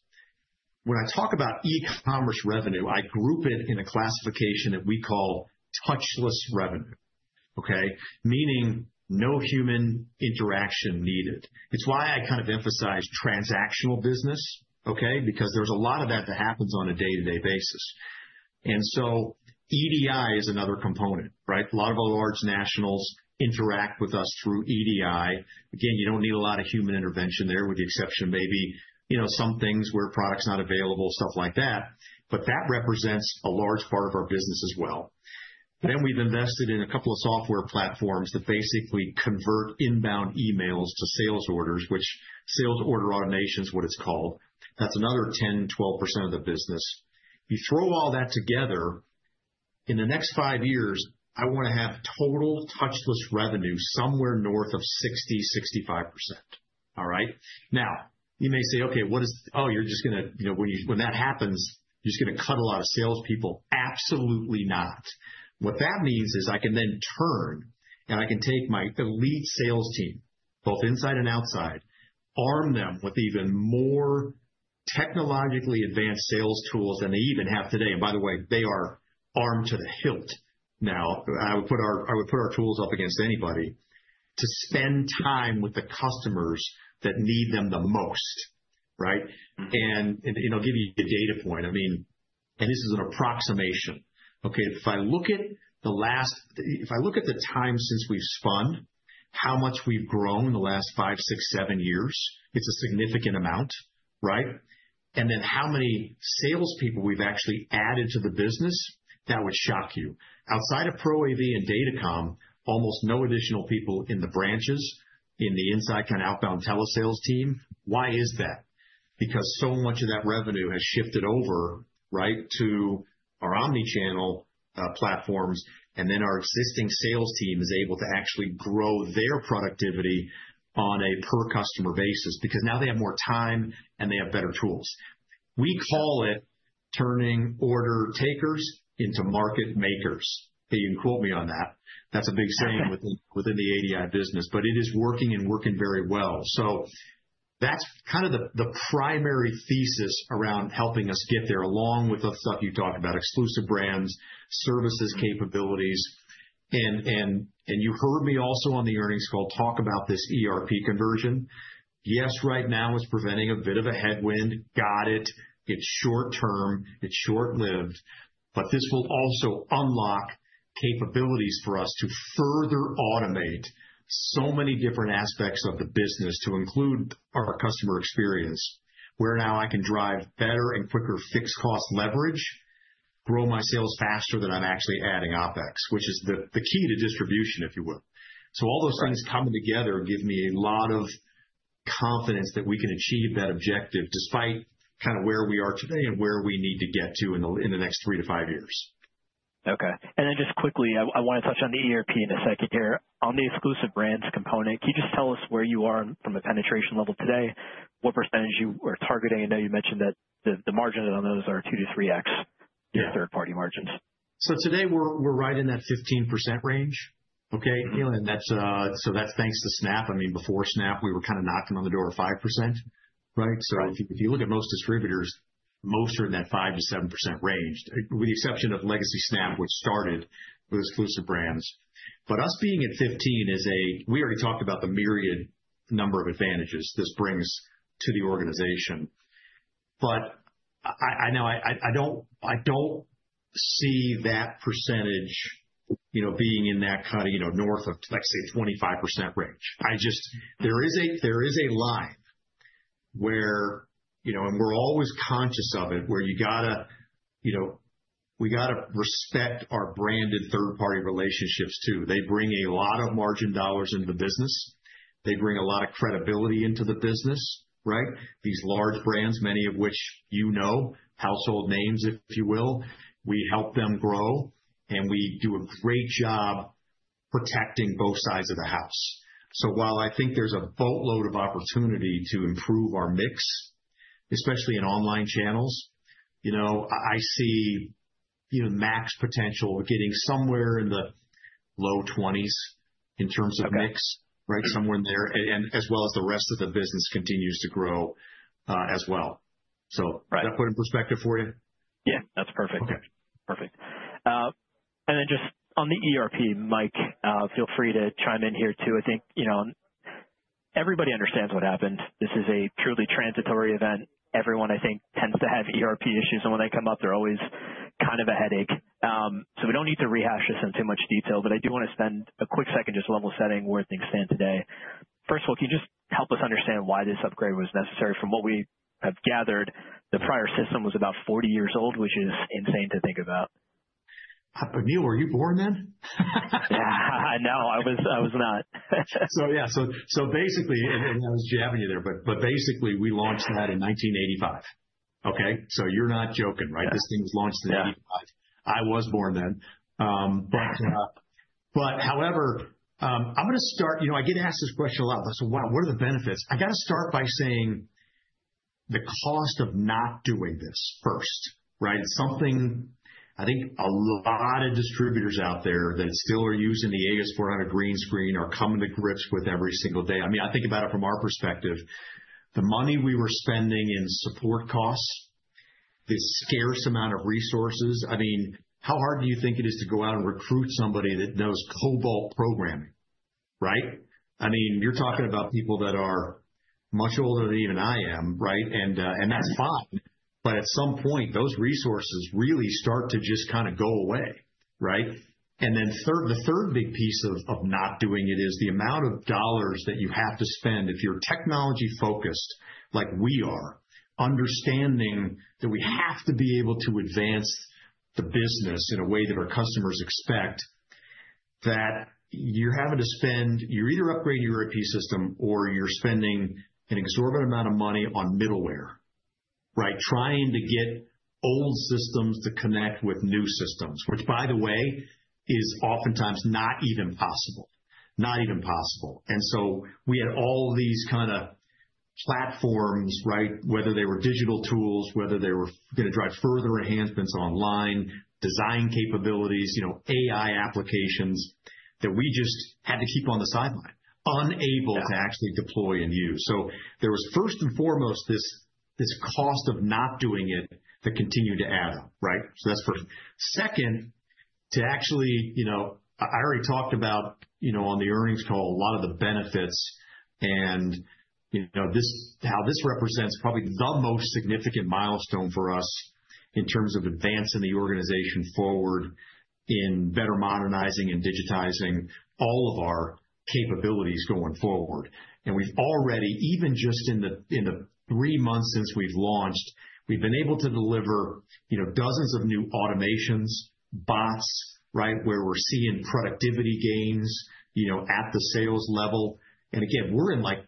When I talk about E-commerce revenue, I group it in a classification that we call touchless revenue, okay? Meaning no human interaction needed. It is why I kind of emphasize transactional business, okay? Because there is a lot of that that happens on a day-to-day basis. EDI is another component, right? A lot of our large nationals interact with us through EDI. Again, you do not need a lot of human intervention there with the exception of maybe some things where product is not available, stuff like that. That represents a large part of our business as well. We have invested in a couple of software platforms that basically convert inbound emails to sales orders, which sales order automation is what it is called. That is another 10-12% of the business. You throw all that together, in the next five years, I want to have total touchless revenue somewhere north of 60-65%, all right? Now, you may say, "Okay, what is—oh, you're just going to—when that happens, you're just going to cut a lot of Salespeople?" Absolutely not. What that means is I can then turn and I can take my elite sales team, both inside and outside, arm them with even more technologically advanced sales tools than they even have today. And by the way, they are armed to the hilt now. I would put our tools up against anybody to spend time with the customers that need them the most, right? And I'll give you a data point. I mean, and this is an approximation, okay? If I look at the last—if I look at the time since we've spun, how much we've grown in the last five, six, seven years, it's a significant amount, right? Then how many salespeople we've actually added to the business, that would shock you. Outside of ProAV and DataCom, almost no additional people in the branches, in the inside kind of Outbound Telesales Team. Why is that? Because so much of that revenue has shifted over, right, to our Omnichannel platforms, and then our existing sales team is able to actually grow their productivity on a per-customer basis because now they have more time and they have better tools. We call it turning order takers into market makers. You can quote me on that. That's a big saying within the ADI business, but it is working and working very well. That's kind of the primary thesis around helping us get there, along with the stuff you talked about, exclusive brands, services, capabilities. You heard me also on the earnings call talk about this ERP conversion. Yes, right now it's presenting a bit of a headwind. Got it. It's short-term. It's short-lived. This will also unlock capabilities for us to further automate so many different aspects of the business to include our customer experience, where now I can drive better and quicker fixed cost leverage, grow my sales faster than I'm actually adding OpEx, which is the key to distribution, if you will. All those things coming together give me a lot of confidence that we can achieve that objective despite kind of where we are today and where we need to get to in the next three to five years. Okay. And then just quickly, I want to touch on the ERP in a second here. On the exclusive brands component, can you just tell us where you are from a penetration level today? What percent you are targeting? I know you mentioned that the margins on those are 2-3x in 3rd-party margins. Today, we're right in that 15% range, okay? That's thanks to Snap. I mean, before Snap, we were kind of knocking on the door of 5%, right? If you look at most distributors, most are in that 5-7% range, with the exception of Legacy Snap, which started with exclusive brands. Us being at 15% is a—we already talked about the myriad number of advantages this brings to the organization. I know I don't see that percentage being in that kind of north of, let's say, 25% range. There is a line where, and we're always conscious of it, where you got to—we got to respect our branded 3rd-party relationships too. They bring a lot of margin dollars into the business. They bring a lot of credibility into the business, right? These large brands, many of which you know, household names, if you will, we help them grow, and we do a great job protecting both sides of the house. While I think there's a boatload of opportunity to improve our mix, especially in online channels, I see max potential of getting somewhere in the low 20% in terms of mix, right? Somewhere in there, as well as the rest of the business continues to grow as well. Does that put in perspective for you? Yeah. That's perfect. Perfect. And then just on the ERP, Mike, feel free to chime in here too. I think everybody understands what happened. This is a truly transitory event. Everyone, I think, tends to have ERP issues, and when they come up, they're always kind of a headache. We do not need to rehash this in too much detail, but I do want to spend a quick second just level-setting where things stand today. First of all, can you just help us understand why this upgrade was necessary? From what we have gathered, the prior system was about 40 years old, which is insane to think about. I forget. Were you born then? No. I was not. Yeah. Basically, I was jabbing you there, but basically, we launched that in 1985, okay? You're not joking, right? This thing was launched in 1985. I was born then. However, I'm going to start—I get asked this question a lot. I said, "Wow, what are the benefits?" I got to start by saying the cost of not doing this first, right? Something I think a lot of distributors out there that still are using the AS/400 green screen are coming to grips with every single day. I mean, I think about it from our perspective. The money we were spending in support costs, the scarce amount of resources, I mean, how hard do you think it is to go out and recruit somebody that knows COBOL programming, right? I mean, you're talking about people that are much older than even I am, right? That is fine. At some point, those resources really start to just kind of go away, right? The 3rd big piece of not doing it is the amount of dollars that you have to spend if you are technology-focused like we are, understanding that we have to be able to advance the business in a way that our customers expect, that you are having to spend—you are either upgrading your ERP system or you are spending an exorbitant amount of money on middleware, right? Trying to get old systems to connect with new systems, which, by the way, is oftentimes not even possible. Not even possible. We had all these kind of platforms, right? Whether they were digital tools, whether they were going to drive further enhancements online, design capabilities, AI applications that we just had to keep on the sideline, unable to actually deploy and use. There was, first and foremost, this cost of not doing it that continued to add up, right? That is first. Second, to actually—I already talked about on the earnings call a lot of the benefits and how this represents probably the most significant milestone for us in terms of advancing the organization forward in better modernizing and digitizing all of our capabilities going forward. We have already, even just in the three months since we have launched, been able to deliver dozens of new automations, bots, right? We are seeing productivity gains at the sales level. Again, we are in like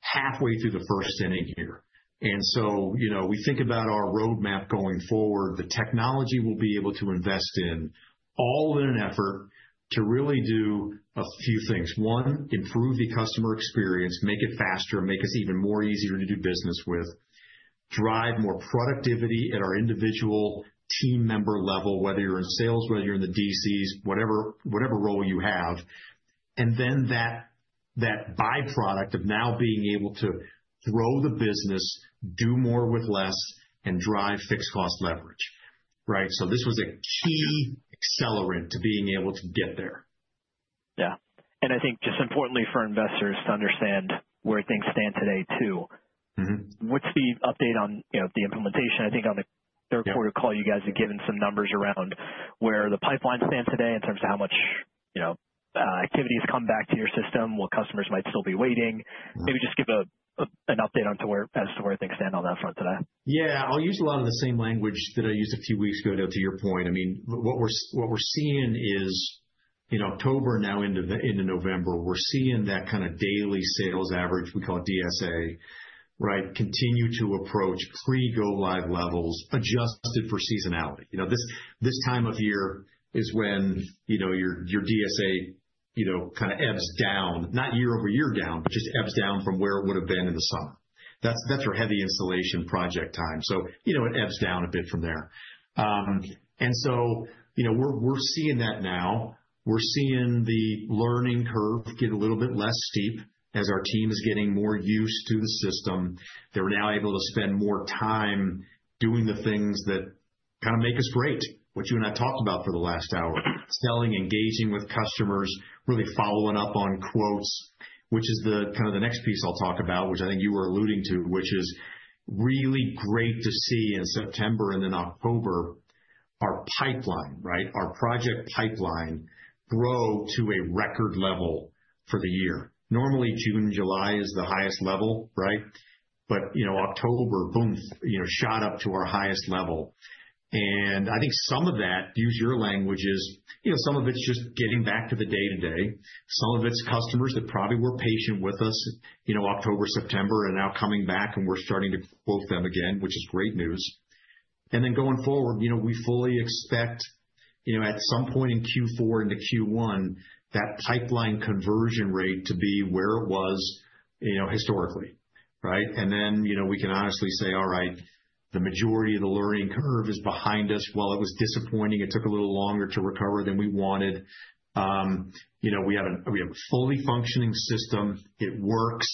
halfway through the 1st inning here. We think about our roadmap going forward. The technology we will be able to invest in all in an effort to really do a few things. One, improve the customer experience, make it faster, make us even more easy to do business with, drive more productivity at our individual team member level, whether you're in sales, whether you're in the DCs, whatever role you have. That byproduct of now being able to grow the business, do more with less, and drive fixed cost leverage, right? This was a key accelerant to being able to get there. Yeah. I think just importantly for investors to understand where things stand today too. What's the update on the implementation? I think on the 3rd quarter call, you guys had given some numbers around where the pipeline stands today in terms of how much activity has come back to your system, what customers might still be waiting. Maybe just give an update as to where things stand on that front today. Yeah. I'll use a lot of the same language that I used a few weeks ago to get to your point. I mean, what we're seeing is in October now into November, we're seeing that kind of daily sales average, we call it DSA, right? Continue to approach Pre-Go Live levels adjusted for seasonality. This time of year is when your DSA kind of ebbs down, not year-over-year down, but just ebbs down from where it would have been in the summer. That's our heavy installation project time. It ebbs down a bit from there. We are seeing that now. We're seeing the learning curve get a little bit less steep as our team is getting more used to the system. They're now able to spend more time doing the things that kind of make us great, what you and I talked about for the last hour, selling, engaging with customers, really following up on quotes, which is kind of the next piece I'll talk about, which I think you were alluding to, which is really great to see in September and then October, our pipeline, right? Our project pipeline grow to a record level for the year. Normally, June and July is the highest level, right? October, boom, shot up to our highest level. I think some of that, to use your language, is some of it's just getting back to the day-to-day. Some of it's customers that probably were patient with us October, September, and now coming back, and we're starting to quote them again, which is great news. Going forward, we fully expect at some point in Q4 into Q1, that pipeline conversion rate to be where it was historically, right? Then we can honestly say, "All right, the majority of the learning curve is behind us." It was disappointing. It took a little longer to recover than we wanted. We have a fully functioning system. It works.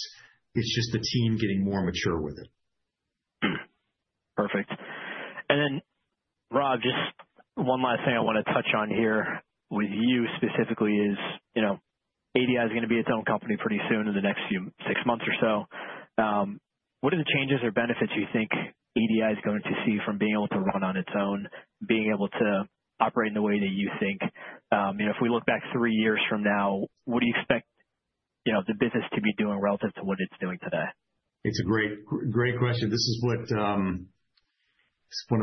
It is just the team getting more mature with it. Perfect. Rob, just one last thing I want to touch on here with you specifically is ADI is going to be its own company pretty soon in the next few six months or so. What are the changes or benefits you think ADI is going to see from being able to run on its own, being able to operate in the way that you think? If we look back three years from now, what do you expect the business to be doing relative to what it's doing today? It's a great question. This is one of the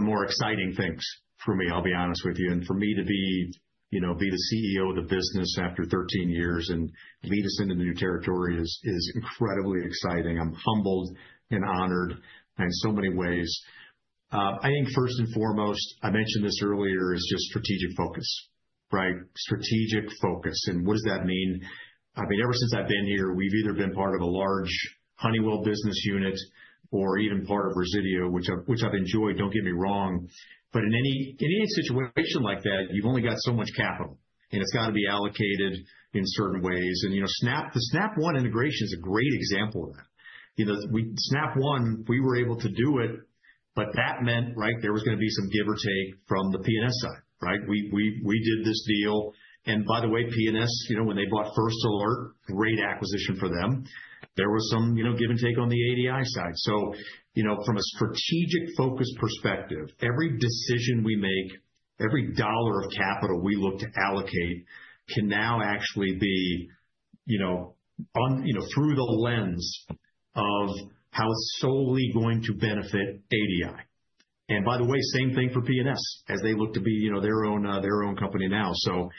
more exciting things for me, I'll be honest with you. For me to be the CEO of the business after 13 years and lead us into new territory is incredibly exciting. I'm humbled and honored in so many ways. I think first and foremost, I mentioned this earlier, is just strategic focus, right? Strategic focus. What does that mean? I mean, ever since I've been here, we've either been part of a large Honeywell business unit or even part of Resideo, which I've enjoyed, don't get me wrong. In any situation like that, you've only got so much capital, and it's got to be allocated in certain ways. The Snap One integration is a great example of that. One, we were able to do it, but that meant, right, there was going to be some give or take from the P&S side, right? We did this deal. And by the way, P&S, when they bought First Alert, great acquisition for them. There was some give and take on the ADI side. From a strategic focus perspective, every decision we make, every dollar of capital we look to allocate can now actually be through the lens of how it's solely going to benefit ADI. By the way, same thing for P&S as they look to be their own company now. What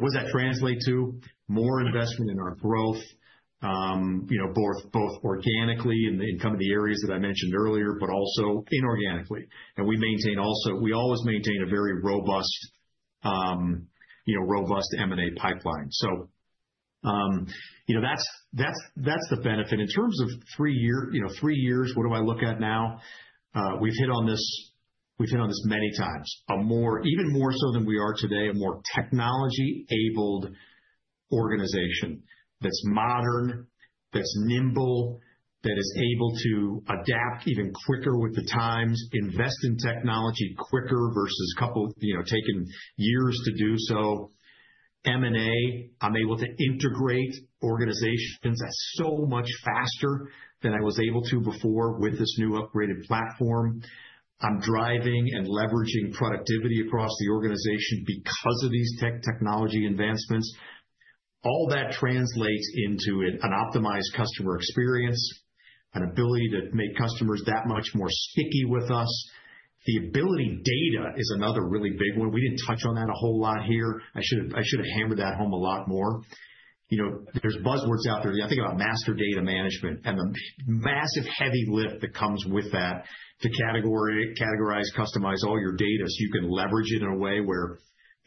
does that translate to? More investment in our growth, both organically in some of the areas that I mentioned earlier, but also inorganically. We maintain also we always maintain a very robust M&A pipeline. That's the benefit. In terms of three years, what do I look at now? We've hit on this many times. Even more so than we are today, a more technology-enabled organization that's modern, that's nimble, that is able to adapt even quicker with the times, invest in technology quicker versus taking years to do so. M&A, I'm able to integrate organizations so much faster than I was able to before with this new upgraded platform. I'm driving and leveraging productivity across the organization because of these technology advancements. All that translates into an optimized customer experience, an ability to make customers that much more sticky with us. The ability data is another really big one. We didn't touch on that a whole lot here. I should have hammered that home a lot more. There's buzzwords out there. I think about Master Data Management and the massive heavy lift that comes with that to categorize, customize all your data so you can leverage it in a way where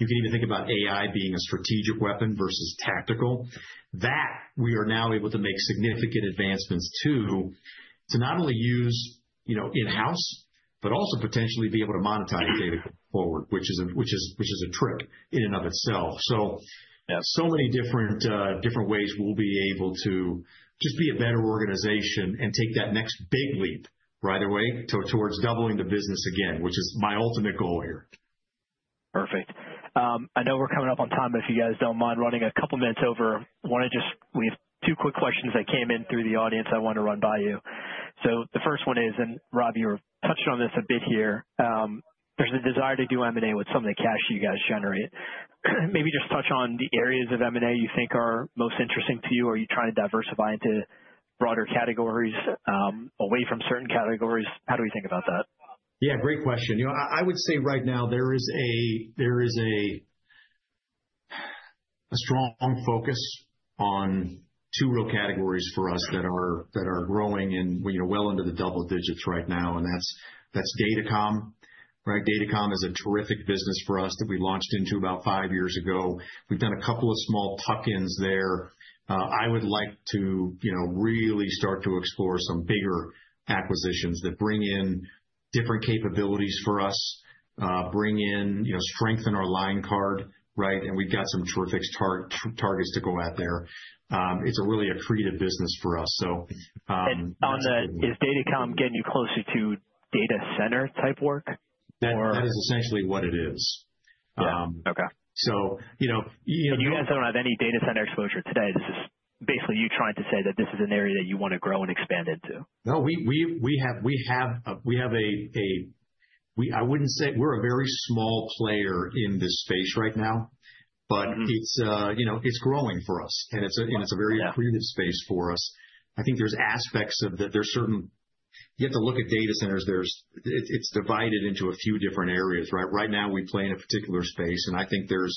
you can even think about AI being a strategic weapon versus tactical. We are now able to make significant advancements to not only use in-house, but also potentially be able to monetize data going forward, which is a trick in and of itself. So many different ways we'll be able to just be a better organization and take that next big leap, right away, towards doubling the business again, which is my ultimate goal here. Perfect. I know we're coming up on time, but if you guys don't mind running a couple of minutes over, I want to just, we have two quick questions that came in through the audience I want to run by you. The first one is, and Rob, you were touching on this a bit here, there's a desire to do M&A with some of the cash you guys generate. Maybe just touch on the areas of M&A you think are most interesting to you. Are you trying to diversify into broader categories away from certain categories? How do we think about that? Yeah. Great question. I would say right now there is a strong focus on two real categories for us that are growing well into the double digits right now. That is DataCom, right? DataCom is a terrific business for us that we launched into about five years ago. We have done a couple of small tuck-ins there. I would like to really start to explore some bigger acquisitions that bring in different capabilities for us, bring in, strengthen our line card, right? We have got some terrific targets to go at there. It is really a creative business for us. Is DataCom getting you closer to data center type work? That is essentially what it is. Yeah. Okay. So. You guys don't have any data center exposure today. This is basically you trying to say that this is an area that you want to grow and expand into. No, we have a—I wouldn't say we're a very small player in this space right now, but it's growing for us. And it's a very creative space for us. I think there's aspects of that. You have to look at data centers. It's divided into a few different areas, right? Right now, we play in a particular space. I think there's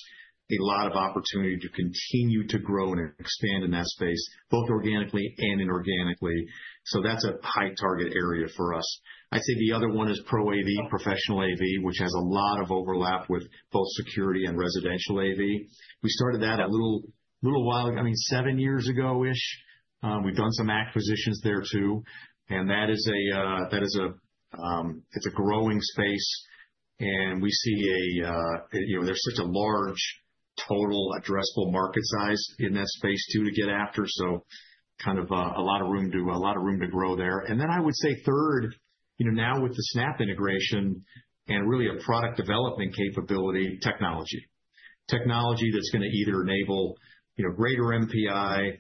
a lot of opportunity to continue to grow and expand in that space, both organically and inorganically. That is a high target area for us. I'd say the other one is ProAV, professional AV, which has a lot of overlap with both security and residential AV. We started that a little while ago, I mean, seven years ago-ish. We've done some acquisitions there too. That is a growing space. We see there is such a large total addressable market size in that space too to get after. There is a lot of room to grow there. I would say 3rd, now with the Snap integration and really a product development capability, technology. Technology that is going to either enable greater MPI,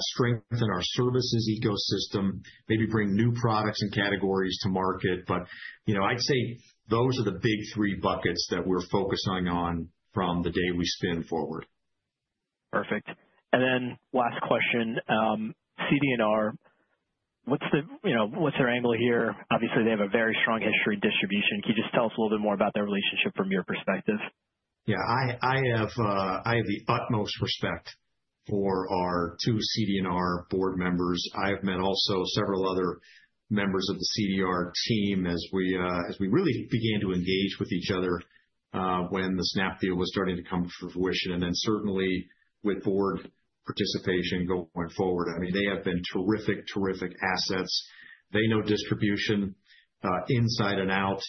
strengthen our services ecosystem, maybe bring new products and categories to market. I would say those are the big three buckets that we are focusing on from the day we spin forward. Perfect. Last question, CDNR, what's their angle here? Obviously, they have a very strong history in distribution. Can you just tell us a little bit more about their relationship from your perspective? Yeah. I have the utmost respect for our two CD&R board members. I have met also several other members of the CD&R team as we really began to engage with each other when the Snap One deal was starting to come to fruition. Certainly with board participation going forward, I mean, they have been terrific, terrific assets. They know distribution inside and out.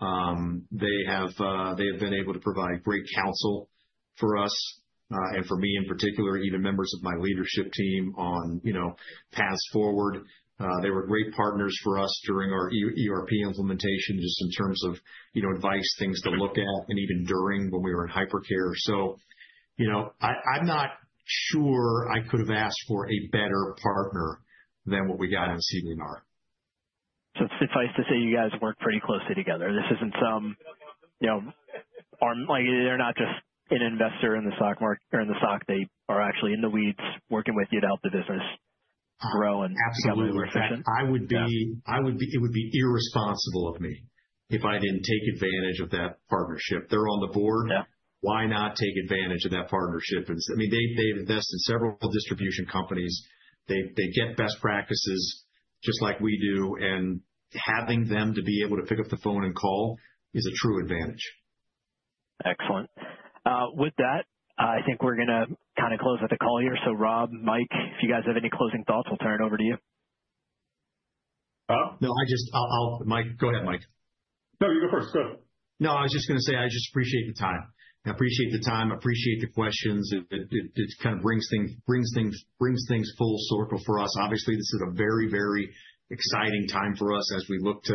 They have been able to provide great counsel for us and for me in particular, even members of my leadership team on paths forward. They were great partners for us during our ERP implementation just in terms of advice, things to look at, and even during when we were in hypercare. I'm not sure I could have asked for a better partner than what we got in CD&R. Suffice to say you guys work pretty closely together. This isn't some—they're not just an investor in the stock market or in the stock. They are actually in the weeds working with you to help the business grow and be able to work with you. Absolutely. I would be—it would be irresponsible of me if I didn't take advantage of that partnership. They're on the board. Why not take advantage of that partnership? I mean, they've invested in several distribution companies. They get best practices just like we do. Having them to be able to pick up the phone and call is a true advantage. Excellent. With that, I think we're going to kind of close out the call here. So Rob, Mike, if you guys have any closing thoughts, we'll turn it over to you. Rob? No, I just—go ahead, Mike. No, you go first. Go ahead. No, I was just going to say I just appreciate the time. I appreciate the time. I appreciate the questions. It kind of brings things full circle for us. Obviously, this is a very, very exciting time for us as we look to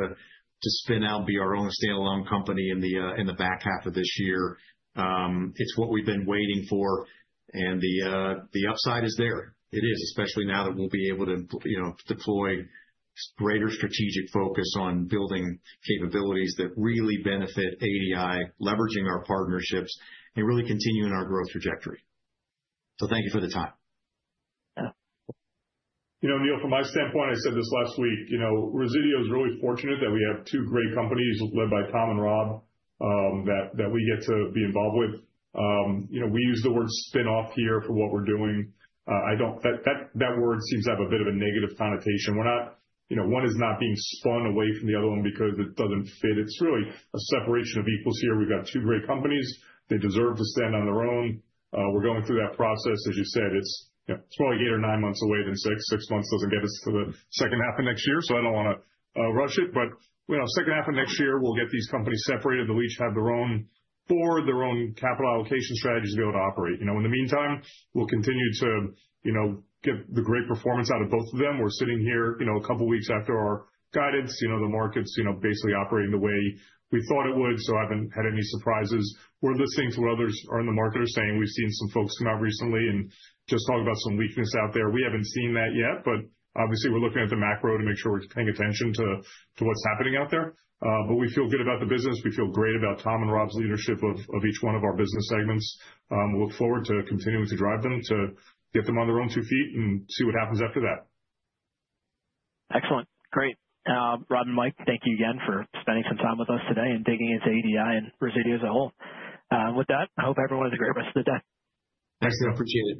spin out, be our own standalone company in the back half of this year. It's what we've been waiting for. The upside is there. It is, especially now that we'll be able to deploy greater strategic focus on building capabilities that really benefit ADI, leveraging our partnerships, and really continuing our growth trajectory. Thank you for the time. Neil, from my standpoint, I said this last week, Resideo is really fortunate that we have two great companies led by Tom and Rob that we get to be involved with. We use the word spin-off here for what we're doing. That word seems to have a bit of a negative connotation. One is not being spun away from the other one because it doesn't fit. It's really a separation of equals here. We've got two great companies. They deserve to stand on their own. We're going through that process. As you said, it's probably eight or nine months away than six. Six months doesn't get us to the 2nd half of next year. I don't want to rush it. Second half of next year, we'll get these companies separated. They'll each have their own board, their own capital allocation strategies to be able to operate. In the meantime, we'll continue to get the great performance out of both of them. We're sitting here a couple of weeks after our guidance. The market's basically operating the way we thought it would. I haven't had any surprises. We're listening to what others in the market are saying. We've seen some folks come out recently and just talk about some weakness out there. We haven't seen that yet. Obviously, we're looking at the macro to make sure we're paying attention to what's happening out there. We feel good about the business. We feel great about Tom and Rob's leadership of each one of our business segments. We look forward to continuing to drive them to get them on their own two feet and see what happens after that. Excellent. Great. Rob and Mike, thank you again for spending some time with us today and digging into ADI and Resideo as a whole. With that, I hope everyone has a great rest of the day. Thanks again for tuning in.